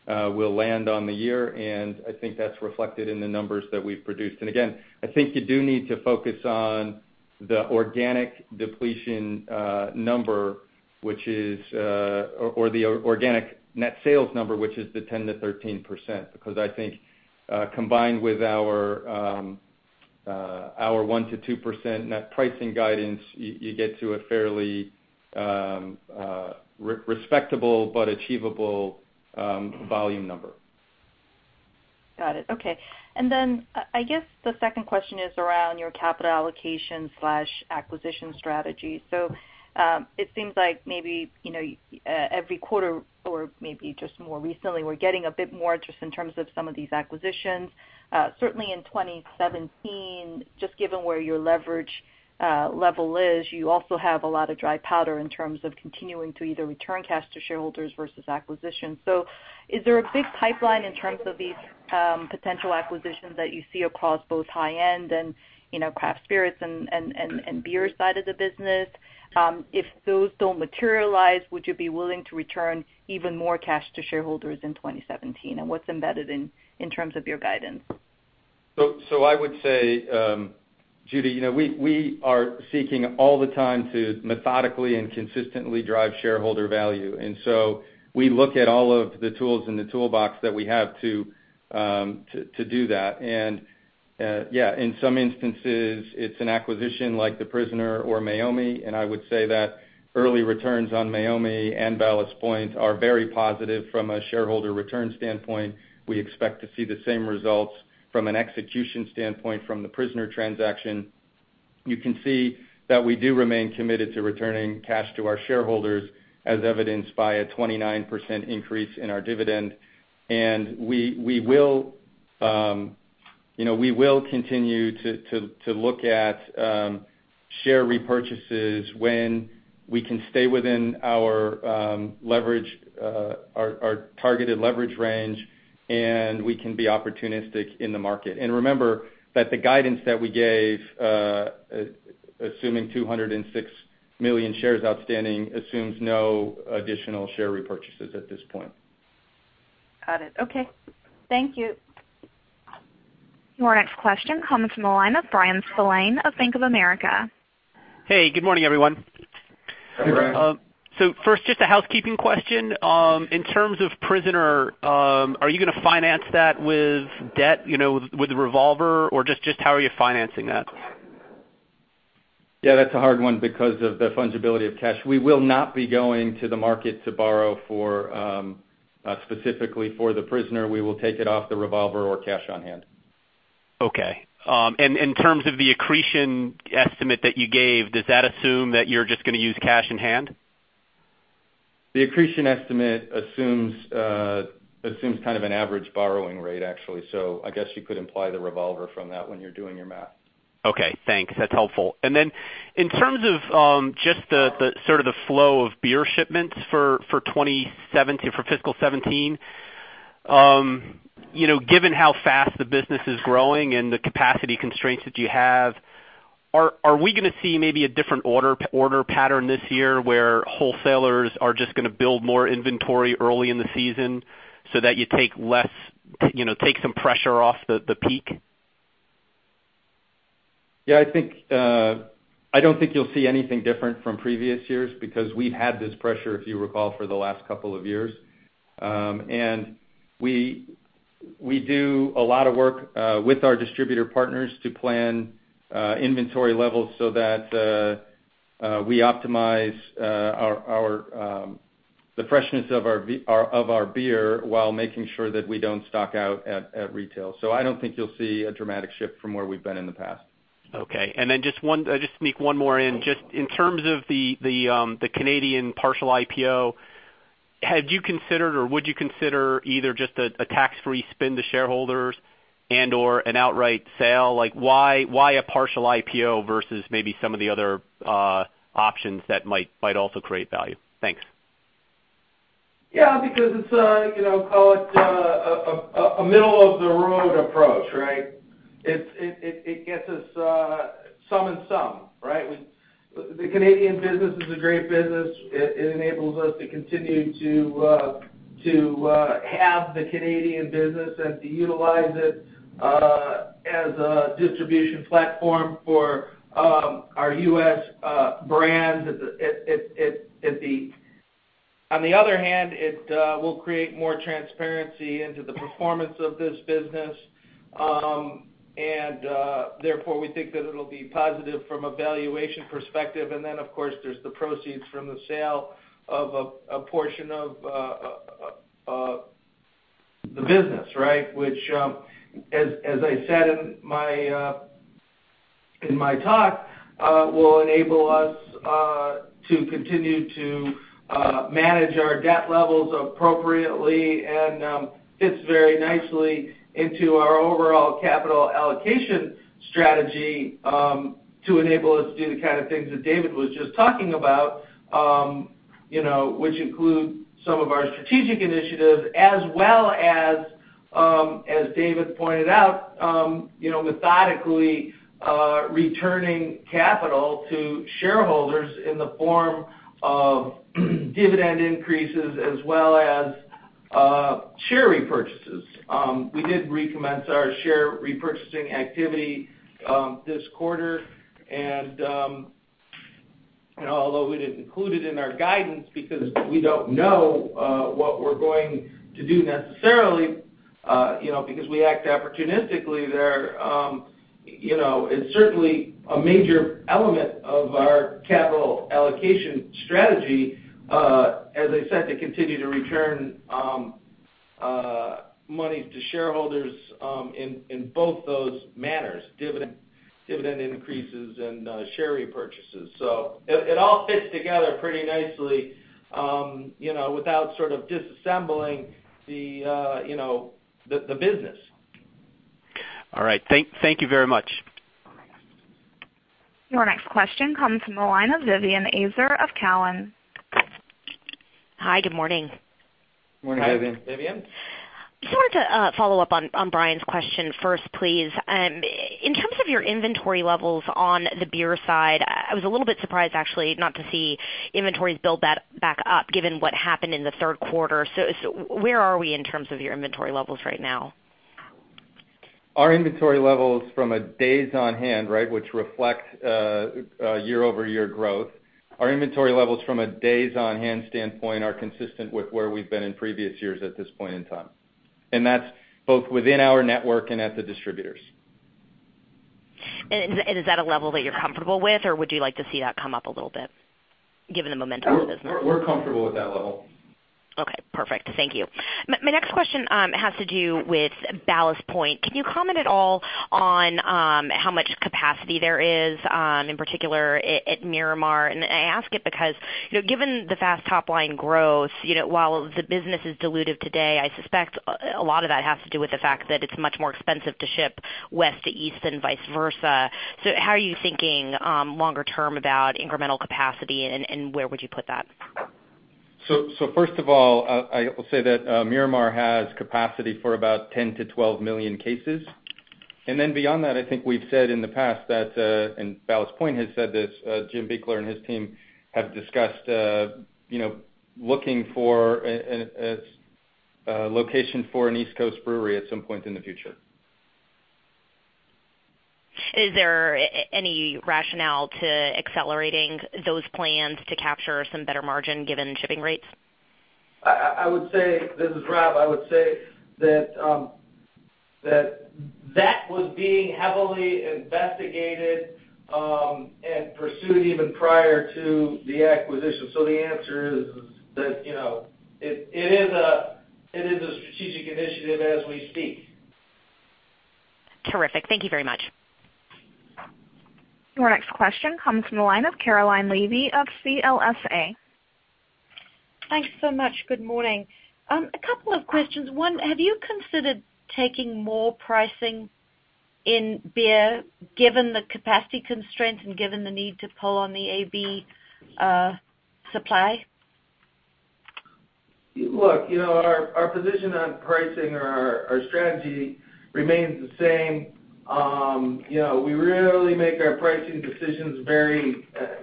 will land on the year, and I think that's reflected in the numbers that we've produced. Again, I think you do need to focus on the organic depletion number, or the organic net sales number, which is the 10%-13%, because I think, combined with our 1%-2% net pricing guidance, you get to a fairly respectable but achievable volume number. Got it. Okay. Then, I guess the second question is around your capital allocation/acquisition strategy. It seems like maybe every quarter, or maybe just more recently, we're getting a bit more just in terms of some of these acquisitions. Certainly in 2017, just given where your leverage level is, you also have a lot of dry powder in terms of continuing to either return cash to shareholders versus acquisitions. Is there a big pipeline in terms of these potential acquisitions that you see across both high-end and craft spirits and beer side of the business? If those don't materialize, would you be willing to return even more cash to shareholders in 2017? What's embedded in terms of your guidance? I would say, Judy, we are seeking all the time to methodically and consistently drive shareholder value. We look at all of the tools in the toolbox that we have to do that. Yeah, in some instances, it's an acquisition like The Prisoner or Meiomi, and I would say that early returns on Meiomi and Ballast Point are very positive from a shareholder return standpoint. We expect to see the same results from an execution standpoint from The Prisoner transaction. You can see that we do remain committed to returning cash to our shareholders, as evidenced by a 29% increase in our dividend. We will continue to look at share repurchases when we can stay within our targeted leverage range, and we can be opportunistic in the market. Remember that the guidance that we gave, assuming 206 million shares outstanding, assumes no additional share repurchases at this point. Got it. Okay. Thank you. Your next question comes from the line of Bryan Spillane of Bank of America. Hey, good morning, everyone. Hey, Bryan. First, just a housekeeping question. In terms of The Prisoner, are you going to finance that with debt, with the revolver, or just how are you financing that? Yeah, that's a hard one because of the fungibility of cash. We will not be going to the market to borrow specifically for The Prisoner. We will take it off the revolver or cash on hand. Okay. In terms of the accretion estimate that you gave, does that assume that you're just going to use cash in hand? The accretion estimate assumes kind of an average borrowing rate, actually. I guess you could imply the revolver from that when you're doing your math. Okay, thanks. That's helpful. Then in terms of just the sort of the flow of beer shipments for fiscal 2017, given how fast the business is growing and the capacity constraints that you have, are we going to see maybe a different order pattern this year, where wholesalers are just going to build more inventory early in the season so that you take some pressure off the peak? Yeah, I don't think you'll see anything different from previous years because we've had this pressure, if you recall, for the last couple of years. We do a lot of work with our distributor partners to plan inventory levels so that we optimize the freshness of our beer while making sure that we don't stock out at retail. I don't think you'll see a dramatic shift from where we've been in the past. Okay, just sneak one more in. Just in terms of the Canadian partial IPO, had you considered or would you consider either just a tax-free spin to shareholders and/or an outright sale? Why a partial IPO versus maybe some of the other options that might also create value? Thanks. Because it's, call it a middle-of-the-road approach, right? It gets us some and some, right? The Canadian business is a great business. It enables us to continue to have the Canadian business and to utilize it as a distribution platform for our U.S. brands. On the other hand, it will create more transparency into the performance of this business. We think that it'll be positive from a valuation perspective. Of course, there's the proceeds from the sale of a portion of the business, which as I said in my talk, will enable us to continue to manage our debt levels appropriately and fits very nicely into our overall capital allocation strategy to enable us to do the kind of things that David was just talking about, which include some of our strategic initiatives as well as David pointed out methodically returning capital to shareholders in the form of dividend increases as well as share repurchases. We did recommence our share repurchasing activity this quarter, we didn't include it in our guidance because we don't know what we're going to do necessarily because we act opportunistically there. It's certainly a major element of our capital allocation strategy as I said, to continue to return monies to shareholders in both those manners, dividend increases and share repurchases. It all fits together pretty nicely without sort of disassembling the business. All right. Thank you very much. Your next question comes from the line of Vivien Azer of Cowen. Hi, good morning. Morning, Vivien. Hi, Vivien. Just wanted to follow up on Bryan's question first, please. In terms of your inventory levels on the beer side, I was a little bit surprised actually, not to see inventories build back up given what happened in the third quarter. Where are we in terms of your inventory levels right now? Our inventory levels from a days on hand, which reflects year-over-year growth, our inventory levels from a days-on-hand standpoint are consistent with where we've been in previous years at this point in time. That's both within our network and at the distributors. Is that a level that you're comfortable with or would you like to see that come up a little bit given the momentum of the business? We're comfortable with that level. Okay, perfect. Thank you. My next question has to do with Ballast Point. Can you comment at all on how much capacity there is, in particular at Miramar? I ask it because, given the fast top-line growth, while the business is dilutive today, I suspect a lot of that has to do with the fact that it's much more expensive to ship west to east than vice versa. How are you thinking longer term about incremental capacity, and where would you put that? First of all, I will say that Miramar has capacity for about 10 to 12 million cases. Beyond that, I think we've said in the past that, and Ballast Point has said this, Jim Buechler and his team have discussed looking for a location for an East Coast brewery at some point in the future. Is there any rationale to accelerating those plans to capture some better margin given shipping rates? This is Rob. I would say that was being heavily investigated and pursued even prior to the acquisition. The answer is that it is a strategic initiative as we speak. Terrific. Thank you very much. Your next question comes from the line of Caroline Levy of CLSA. Thanks so much. Good morning. A couple of questions. One, have you considered taking more pricing in beer, given the capacity constraints and given the need to pull on the AB supply? Our position on pricing or our strategy remains the same. We really make our pricing decisions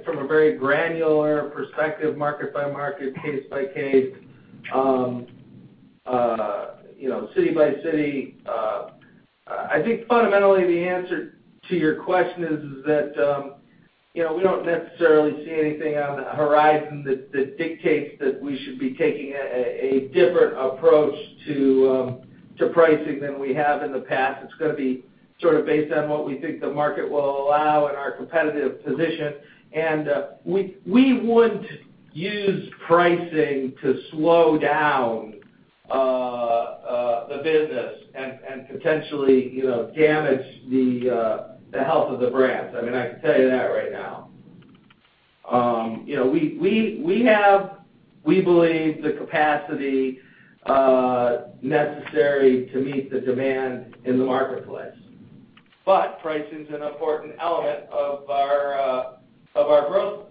from a very granular perspective, market by market, case by case, city by city. I think fundamentally the answer to your question is that we don't necessarily see anything on the horizon that dictates that we should be taking a different approach to pricing than we have in the past. It's going to be sort of based on what we think the market will allow and our competitive position. We wouldn't use pricing to slow down the business and potentially damage the health of the brands. I can tell you that right now. We believe we have the capacity necessary to meet the demand in the marketplace, pricing is an important element of our growth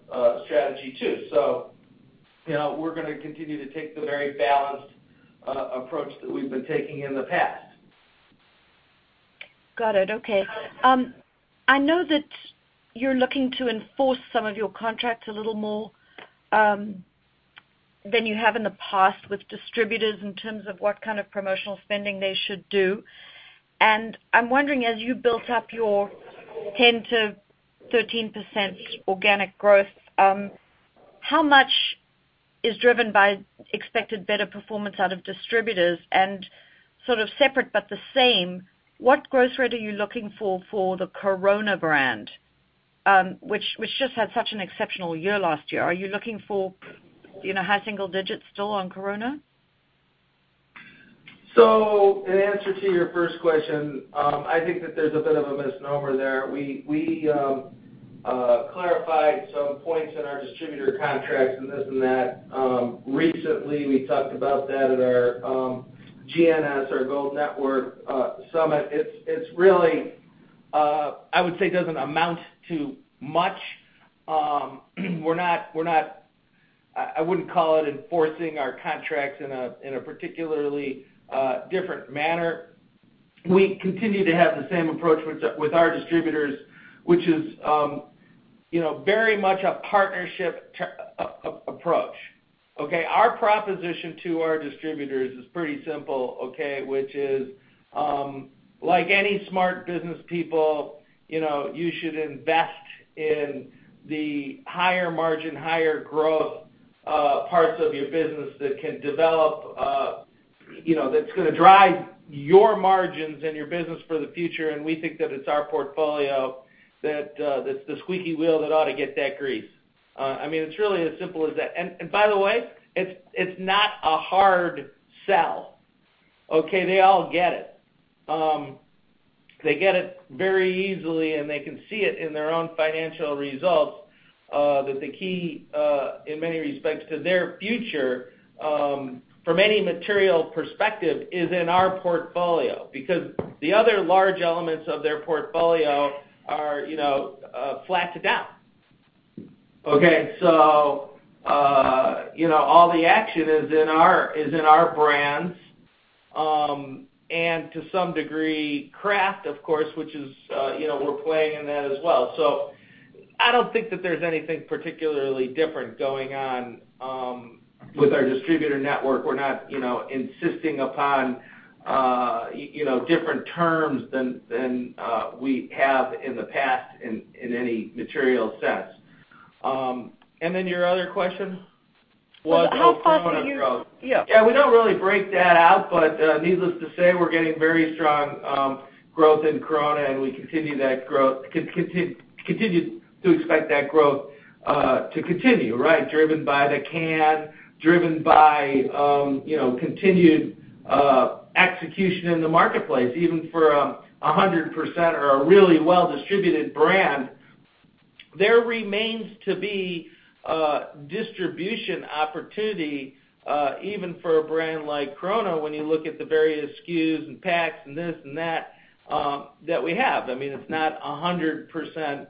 strategy too. We're going to continue to take the very balanced approach that we've been taking in the past. Got it. Okay. I know that you're looking to enforce some of your contracts a little more than you have in the past with distributors in terms of what kind of promotional spending they should do. I'm wondering, as you built up your 10%-13% organic growth, how much is driven by expected better performance out of distributors? Sort of separate but the same, what growth rate are you looking for for the Corona brand, which just had such an exceptional year last year? Are you looking for high single digits still on Corona? In answer to your first question, I think that there's a bit of a misnomer there. We clarified some points in our distributor contracts and this and that. Recently, we talked about that at our GNS or Gold Network Summit. It really, I would say, doesn't amount to much. I wouldn't call it enforcing our contracts in a particularly different manner. We continue to have the same approach with our distributors, which is very much a partnership approach. Okay? Our proposition to our distributors is pretty simple, okay? Which is like any smart business people, you should invest in the higher margin, higher growth parts of your business that can develop, that's going to drive your margins and your business for the future. We think that it's our portfolio that's the squeaky wheel that ought to get that grease. It's really as simple as that. By the way, it's not a hard sell. Okay? They all get it. They get it very easily, and they can see it in their own financial results, that the key, in many respects to their future, from any material perspective, is in our portfolio. The other large elements of their portfolio are flat to down. Okay? All the action is in our brands. To some degree, craft, of course, which we're playing in that as well. I don't think that there's anything particularly different going on with our distributor network. We're not insisting upon different terms than we have in the past in any material sense. Your other question? How fast are you- Yeah. We don't really break that out, but needless to say, we're getting very strong growth in Corona, and we continue to expect that growth to continue. Right? Driven by the can, driven by continued execution in the marketplace. Even for 100% or a really well-distributed brand, there remains to be distribution opportunity, even for a brand like Corona, when you look at the various SKUs and packs and this and that we have. It's not 100%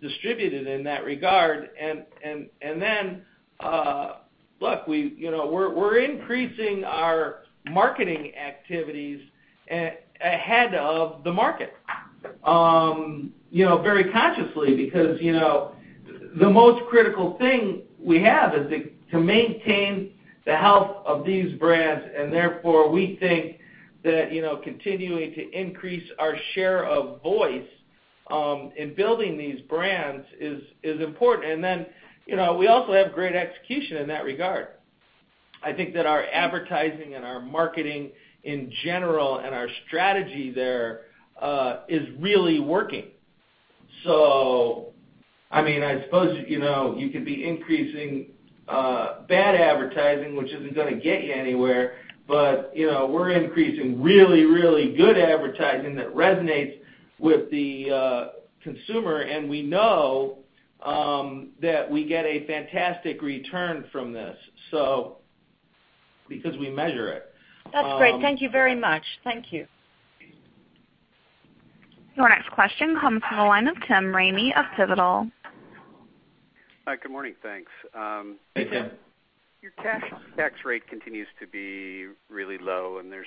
distributed in that regard. Look, we're increasing our marketing activities ahead of the market very consciously because the most critical thing we have is to maintain the health of these brands. Therefore we think that continuing to increase our share of voice in building these brands is important. We also have great execution in that regard. I think that our advertising and our marketing in general and our strategy there is really working. I suppose you could be increasing bad advertising, which isn't going to get you anywhere. We're increasing really good advertising that resonates with the consumer. that we get a fantastic return from this, because we measure it. That's great. Thank you very much. Thank you. Your next question comes from the line of Tim Ramey of Pivotal. Hi, good morning. Thanks. Hey, Tim. Your cash tax rate continues to be really low. There's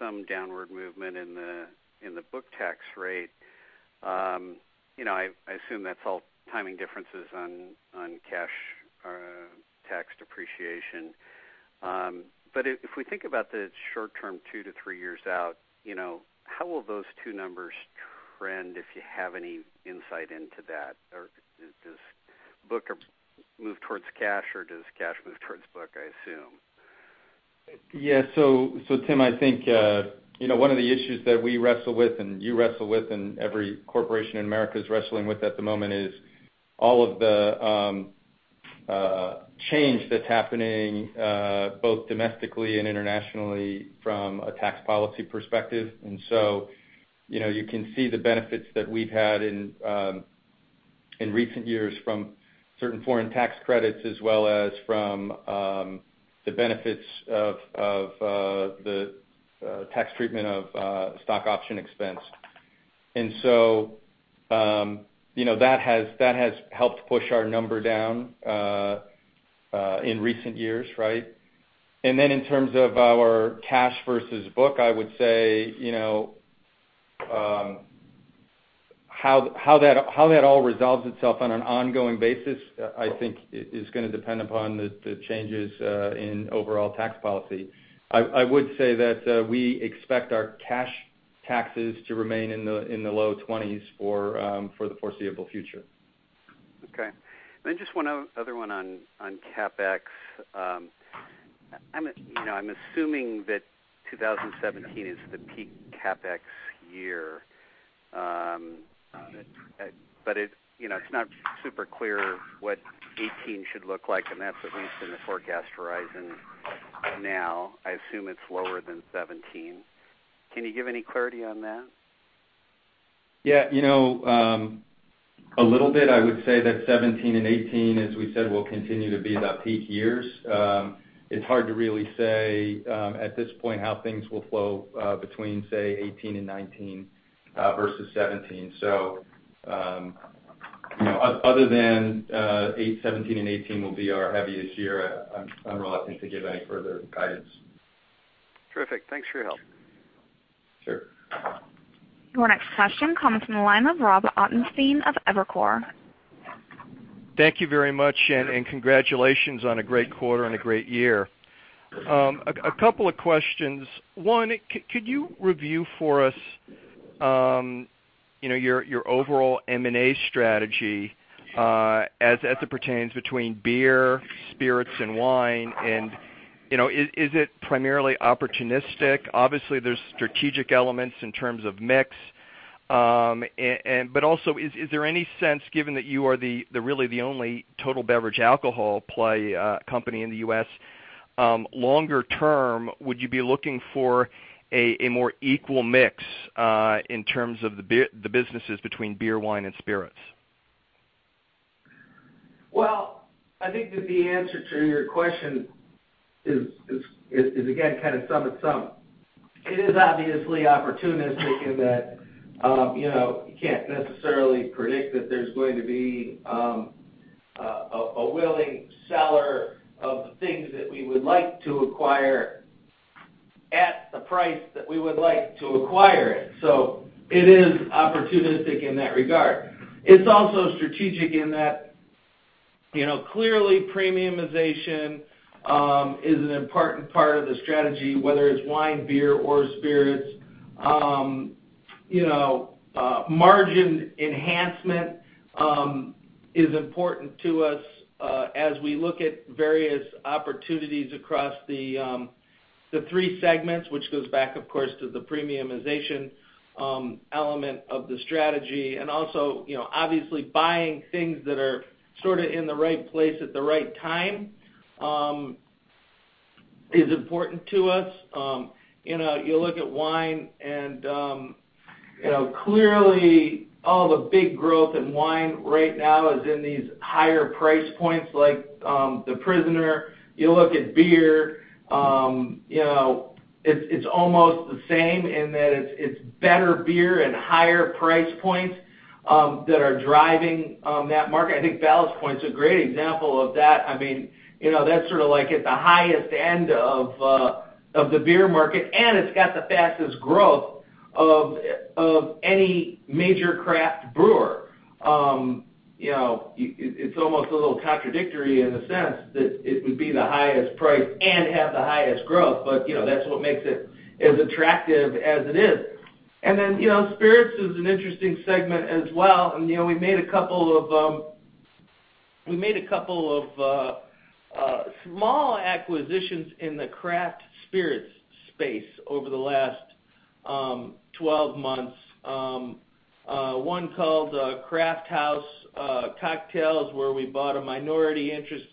some downward movement in the book tax rate. I assume that's all timing differences on cash tax depreciation. If we think about the short term, two to three years out, how will those two numbers trend, if you have any insight into that? Does book move towards cash, or does cash move towards book, I assume? Tim, I think, one of the issues that we wrestle with, and you wrestle with, and every corporation in America is wrestling with at the moment, is all of the change that's happening both domestically and internationally from a tax policy perspective. You can see the benefits that we've had in recent years from certain foreign tax credits, as well as from the benefits of the tax treatment of stock option expense. That has helped push our number down in recent years, right? In terms of our cash versus book, I would say, how that all resolves itself on an ongoing basis, I think, is going to depend upon the changes in overall tax policy. I would say that we expect our cash taxes to remain in the low 20s for the foreseeable future. Just one other one on CapEx. I'm assuming that 2017 is the peak CapEx year. It's not super clear what 2018 should look like. That's at least in the forecast horizon now. I assume it's lower than 2017. Can you give any clarity on that? Yeah. A little bit. I would say that 2017 and 2018, as we said, will continue to be about peak years. It's hard to really say at this point how things will flow between, say, 2018 and 2019 versus 2017. Other than 2017 and 2018 will be our heaviest year, I'm reluctant to give any further guidance. Terrific. Thanks for your help. Sure. Your next question comes from the line of Robert Ottenstein of Evercore. Thank you very much. Congratulations on a great quarter and a great year. A couple of questions. One, could you review for us your overall M&A strategy as it pertains between beer, spirits, and wine? Is it primarily opportunistic? Obviously, there's strategic elements in terms of mix. Is there any sense, given that you are really the only total beverage alcohol play company in the U.S., longer term, would you be looking for a more equal mix in terms of the businesses between beer, wine, and spirits? I think that the answer to your question is, again, kind of sum it some. It is obviously opportunistic in that you can't necessarily predict that there's going to be a willing seller of the things that we would like to acquire at the price that we would like to acquire it. It is opportunistic in that regard. It's also strategic in that, clearly premiumization is an important part of the strategy, whether it's wine, beer, or spirits. Margin enhancement is important to us as we look at various opportunities across the three segments, which goes back, of course, to the premiumization element of the strategy. Also, obviously, buying things that are sort of in the right place at the right time is important to us. You look at wine, clearly all the big growth in wine right now is in these higher price points, like The Prisoner. You look at beer, it's almost the same in that it's better beer and higher price points that are driving that market. I think Ballast Point's a great example of that. That's sort of at the highest end of the beer market, and it's got the fastest growth of any major craft brewer. It's almost a little contradictory in the sense that it would be the highest price and have the highest growth, but that's what makes it as attractive as it is. Then, spirits is an interesting segment as well, we made a couple of small acquisitions in the craft spirits space over the last 12 months. One called Crafthouse Cocktails, where we bought a minority interest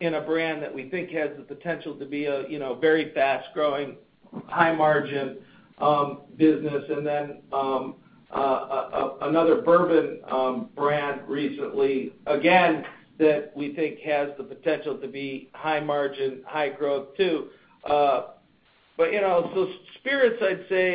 In a brand that we think has the potential to be a very fast-growing, high margin business. Then another bourbon brand recently, again, that we think has the potential to be high margin, high growth too. Spirits, I'd say,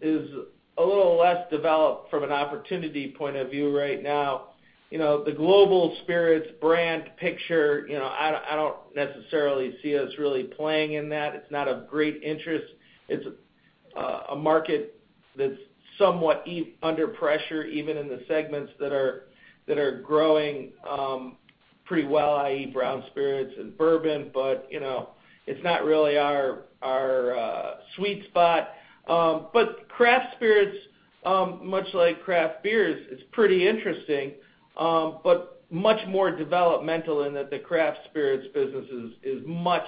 is a little less developed from an opportunity point of view right now. The global spirits brand picture, I don't necessarily see us really playing in that. It's not of great interest. It's a market that's somewhat under pressure, even in the segments that are growing pretty well, i.e. brown spirits and bourbon. It's not really our sweet spot. Craft spirits, much like craft beers, it's pretty interesting, but much more developmental in that the craft spirits business is much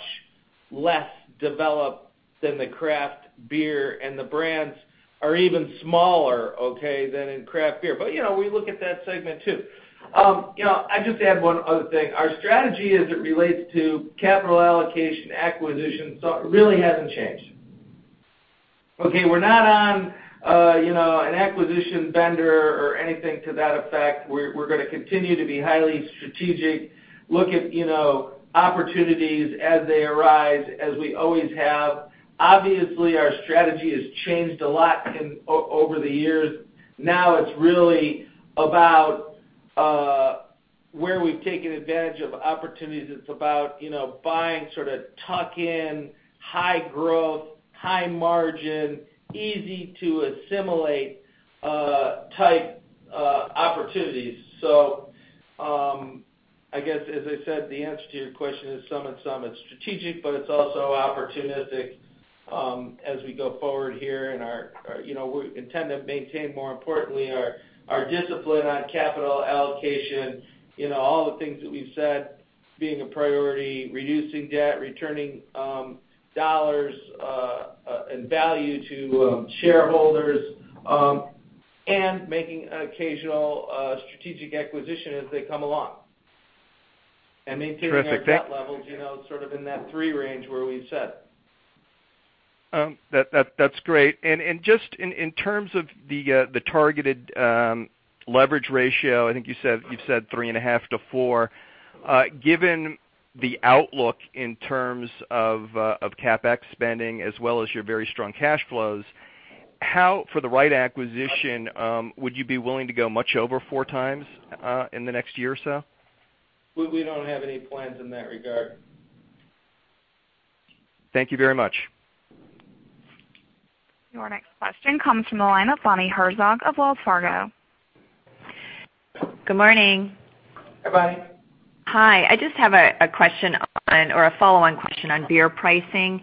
less developed than the craft beer, and the brands are even smaller, okay, than in craft beer. We look at that segment too. I'd just add one other thing. Our strategy as it relates to capital allocation, acquisitions, really hasn't changed. Okay, we're not on an acquisition bender or anything to that effect. We're going to continue to be highly strategic, look at opportunities as they arise, as we always have. Obviously, our strategy has changed a lot over the years. Now it's really about where we've taken advantage of opportunities. It's about buying sort of tuck in, high growth, high margin, easy-to-assimilate type opportunities. I guess, as I said, the answer to your question is some and some. It's strategic, it's also opportunistic as we go forward here, we intend to maintain, more importantly, our discipline on capital allocation. All the things that we've said being a priority, reducing debt, returning dollars and value to shareholders, and making an occasional strategic acquisition as they come along. Terrific. Maintaining our debt levels sort of in that three range where we said. That's great. Just in terms of the targeted leverage ratio, I think you said 3.5-4. Given the outlook in terms of CapEx spending as well as your very strong cash flows, how, for the right acquisition, would you be willing to go much over four times in the next year or so? We don't have any plans in that regard. Thank you very much. Your next question comes from the line of Bonnie Herzog of Wells Fargo. Good morning. Hi, Bonnie. Hi. I just have a question on, or a follow-on question on beer pricing.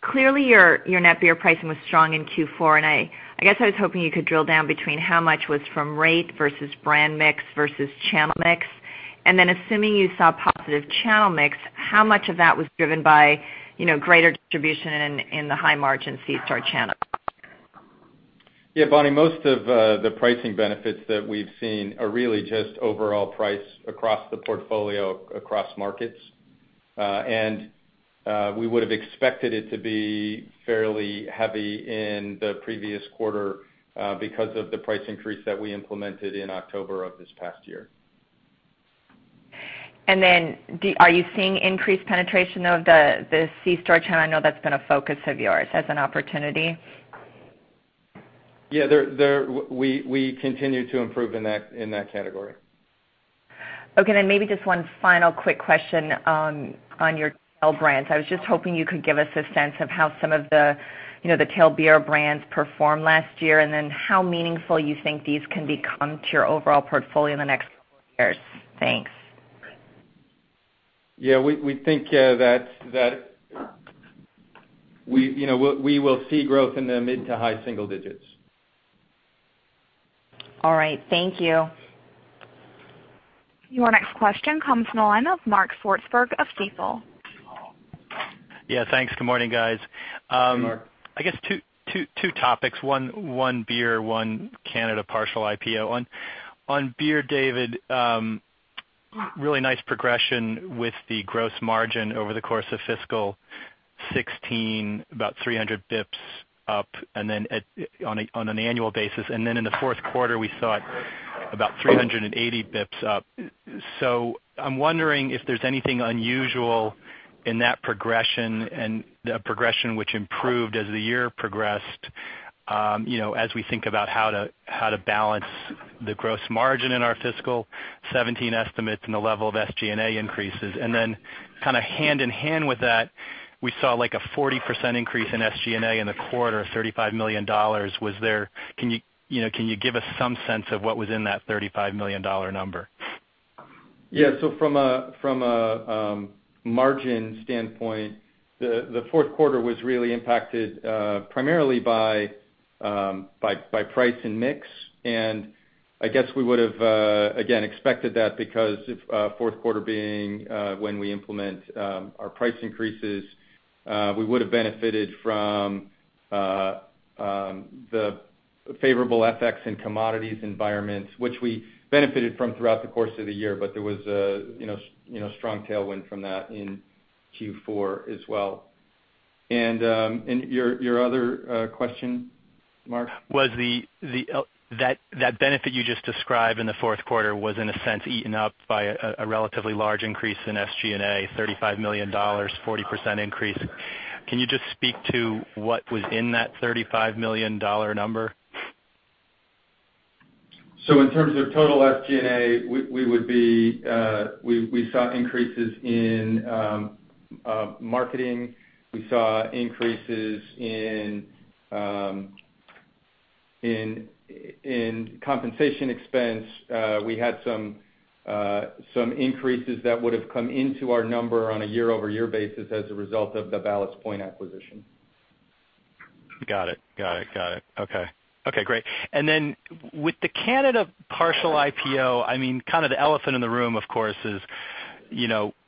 Clearly, your net beer pricing was strong in Q4. I guess I was hoping you could drill down between how much was from rate versus brand mix versus channel mix. Then assuming you saw positive channel mix, how much of that was driven by greater distribution in the high margin C-store channel? Bonnie, most of the pricing benefits that we've seen are really just overall price across the portfolio, across markets. We would've expected it to be fairly heavy in the previous quarter because of the price increase that we implemented in October of this past year. Are you seeing increased penetration of the C-store channel that's been a focus of yours as an opportunity? We continue to improve in that category. Maybe just one final quick question on your tail brands. I was just hoping you could give us a sense of how some of the tail beer brands performed last year, and then how meaningful you think these can become to your overall portfolio in the next couple years. Thanks. Yeah, we think that we will see growth in the mid to high single digits. All right. Thank you. Your next question comes from the line of Mark Swartzberg of Stifel. Yeah, thanks. Good morning, guys. Good morning. I guess two topics. One beer, one Canada partial IPO. On beer, David, really nice progression with the gross margin over the course of fiscal 2016, about 300 basis points up on an annual basis. Then in the fourth quarter, we saw it about 380 basis points up. I'm wondering if there's anything unusual in that progression and the progression which improved as the year progressed, as we think about how to balance the gross margin in our fiscal 2017 estimates and the level of SG&A increases. Then kind of hand in hand with that, we saw like a 40% increase in SG&A in the quarter, $35 million. Can you give us some sense of what was in that $35 million number? Yeah. From a margin standpoint, the fourth quarter was really impacted primarily by price and mix. I guess we would have, again, expected that because fourth quarter being when we implement our price increases. We would've benefited from the Favorable FX and commodities environments, which we benefited from throughout the course of the year, but there was a strong tailwind from that in Q4 as well. Your other question, Mark? Was that benefit you just described in the fourth quarter, in a sense, eaten up by a relatively large increase in SG&A, $35 million, 40% increase? Can you just speak to what was in that $35 million number? In terms of total SG&A, we saw increases in marketing. We saw increases in compensation expense. We had some increases that would've come into our number on a year-over-year basis as a result of the Ballast Point acquisition. Got it. Okay, great. With the Canada partial IPO, the elephant in the room, of course, is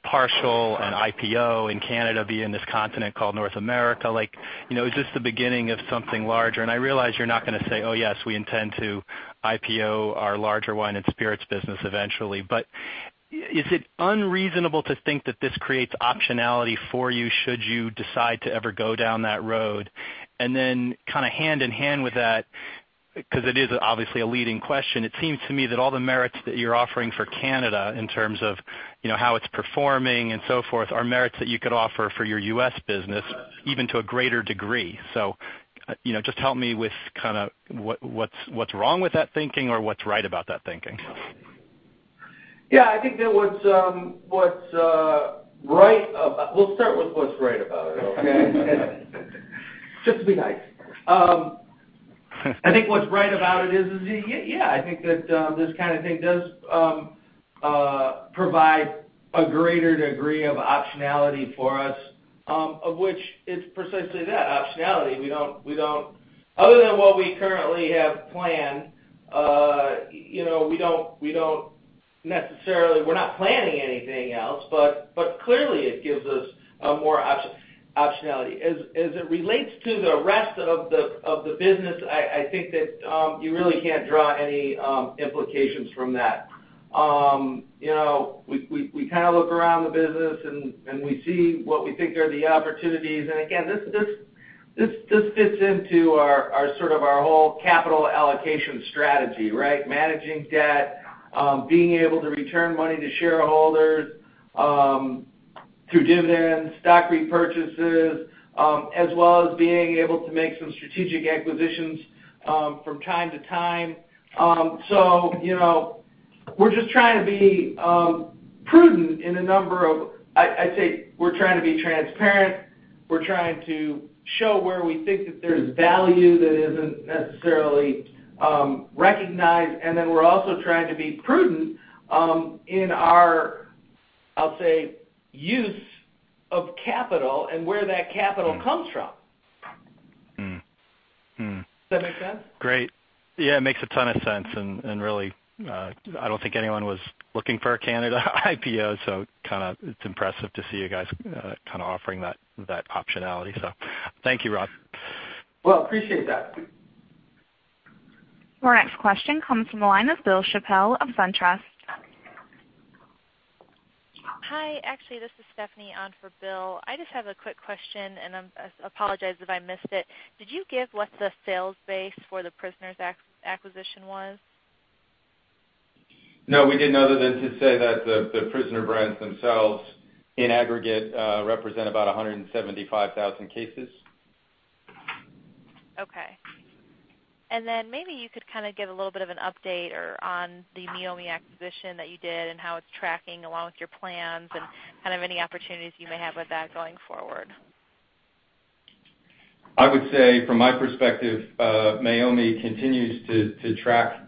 partial and IPO and Canada being in this continent called North America. Is this the beginning of something larger? I realize you're not going to say, "Oh yes, we intend to IPO our larger wine and spirits business eventually." But is it unreasonable to think that this creates optionality for you should you decide to ever go down that road? Then hand in hand with that, because it is obviously a leading question, it seems to me that all the merits that you're offering for Canada, in terms of how it's performing and so forth, are merits that you could offer for your U.S. business, even to a greater degree. Just help me with what's wrong with that thinking, or what's right about that thinking. Yeah, we'll start with what's right about it, okay? Just to be nice. I think what's right about it is, yeah, I think that this kind of thing does provide a greater degree of optionality for us, of which it's precisely that, optionality. Other than what we currently have planned, we're not planning anything else, but clearly it gives us more optionality. As it relates to the rest of the business, I think that you really can't draw any implications from that. We look around the business, and we see what we think are the opportunities. Again, this fits into our whole capital allocation strategy, right? Managing debt, being able to return money to shareholders through dividends, stock repurchases, as well as being able to make some strategic acquisitions from time to time. We're just trying to be prudent in a number of I'd say we're trying to be transparent. We're trying to show where we think that there's value that isn't necessarily recognized, and then we're also trying to be prudent in our, I'll say, use of capital and where that capital comes from. Does that make sense? Great. Yeah, it makes a ton of sense, and really, I don't think anyone was looking for a Canada IPO, so it's impressive to see you guys offering that optionality. Thank you, Rob. Well, appreciate that. Our next question comes from the line of Bill Chappell of SunTrust. Hi. Actually, this is Stephanie on for Bill. I just have a quick question, and I apologize if I missed it. Did you give what the sales base for The Prisoner acquisition was? No, we didn't, other than to say that The Prisoner brands themselves, in aggregate, represent about 175,000 cases. Okay. Then maybe you could give a little bit of an update on the Meiomi acquisition that you did and how it's tracking, along with your plans and any opportunities you may have with that going forward. I would say, from my perspective, Meiomi continues to track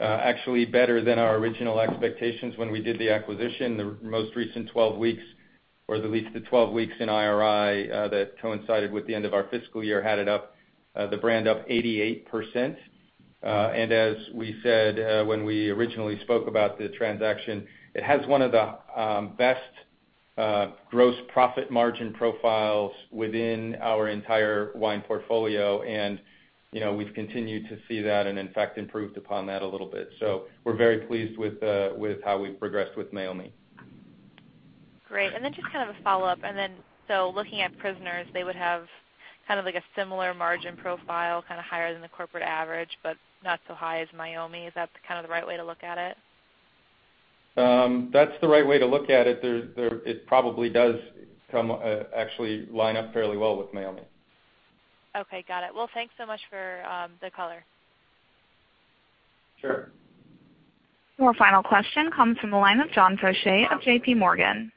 actually better than our original expectations when we did the acquisition. The most recent 12 weeks, or at least the 12 weeks in IRI that coincided with the end of our fiscal year, had the brand up 88%. As we said when we originally spoke about the transaction, it has one of the best gross profit margin profiles within our entire wine portfolio, and we've continued to see that, and in fact, improved upon that a little bit. We're very pleased with how we've progressed with Meiomi. Great. Just a follow-up. Looking at Prisoner, they would have a similar margin profile, higher than the corporate average, but not so high as Meiomi. Is that the right way to look at it? That's the right way to look at it. It probably does actually line up fairly well with Meiomi. Okay, got it. Thanks so much for the color. Sure. Your final question comes from the line of John Faucher of JPMorgan.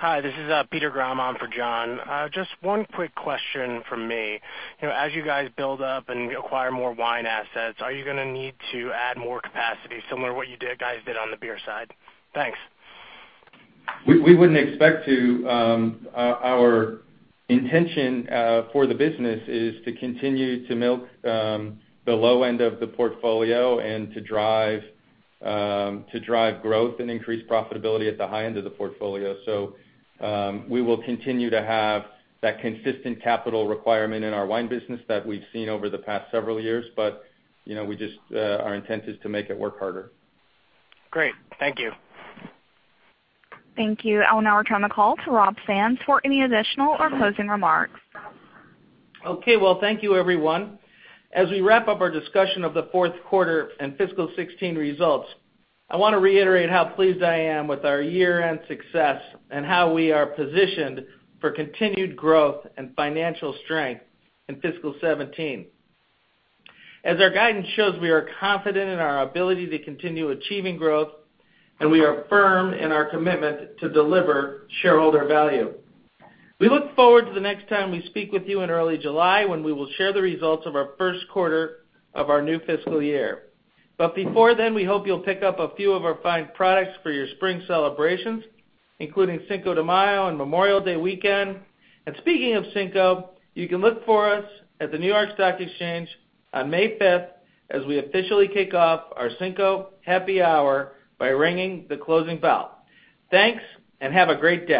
Hi, this is Peter Grom on for John. Just one quick question from me. As you guys build up and acquire more wine assets, are you gonna need to add more capacity, similar to what you guys did on the beer side? Thanks. We wouldn't expect to. Our intention for the business is to continue to milk the low end of the portfolio and to drive growth and increase profitability at the high end of the portfolio. We will continue to have that consistent capital requirement in our wine business that we've seen over the past several years, but our intent is to make it work harder. Great. Thank you. Thank you. I'll now return the call to Rob Sands for any additional or closing remarks. Okay. Well, thank you everyone. As we wrap up our discussion of the fourth quarter and fiscal 2016 results, I want to reiterate how pleased I am with our year-end success and how we are positioned for continued growth and financial strength in fiscal 2017. As our guidance shows, we are confident in our ability to continue achieving growth, and we are firm in our commitment to deliver shareholder value. We look forward to the next time we speak with you in early July, when we will share the results of our first quarter of our new fiscal year. Before then, we hope you'll pick up a few of our fine products for your spring celebrations, including Cinco de Mayo and Memorial Day weekend. Speaking of Cinco, you can look for us at the New York Stock Exchange on May 5th, as we officially kick off our Cinco happy hour by ringing the closing bell. Thanks, and have a great day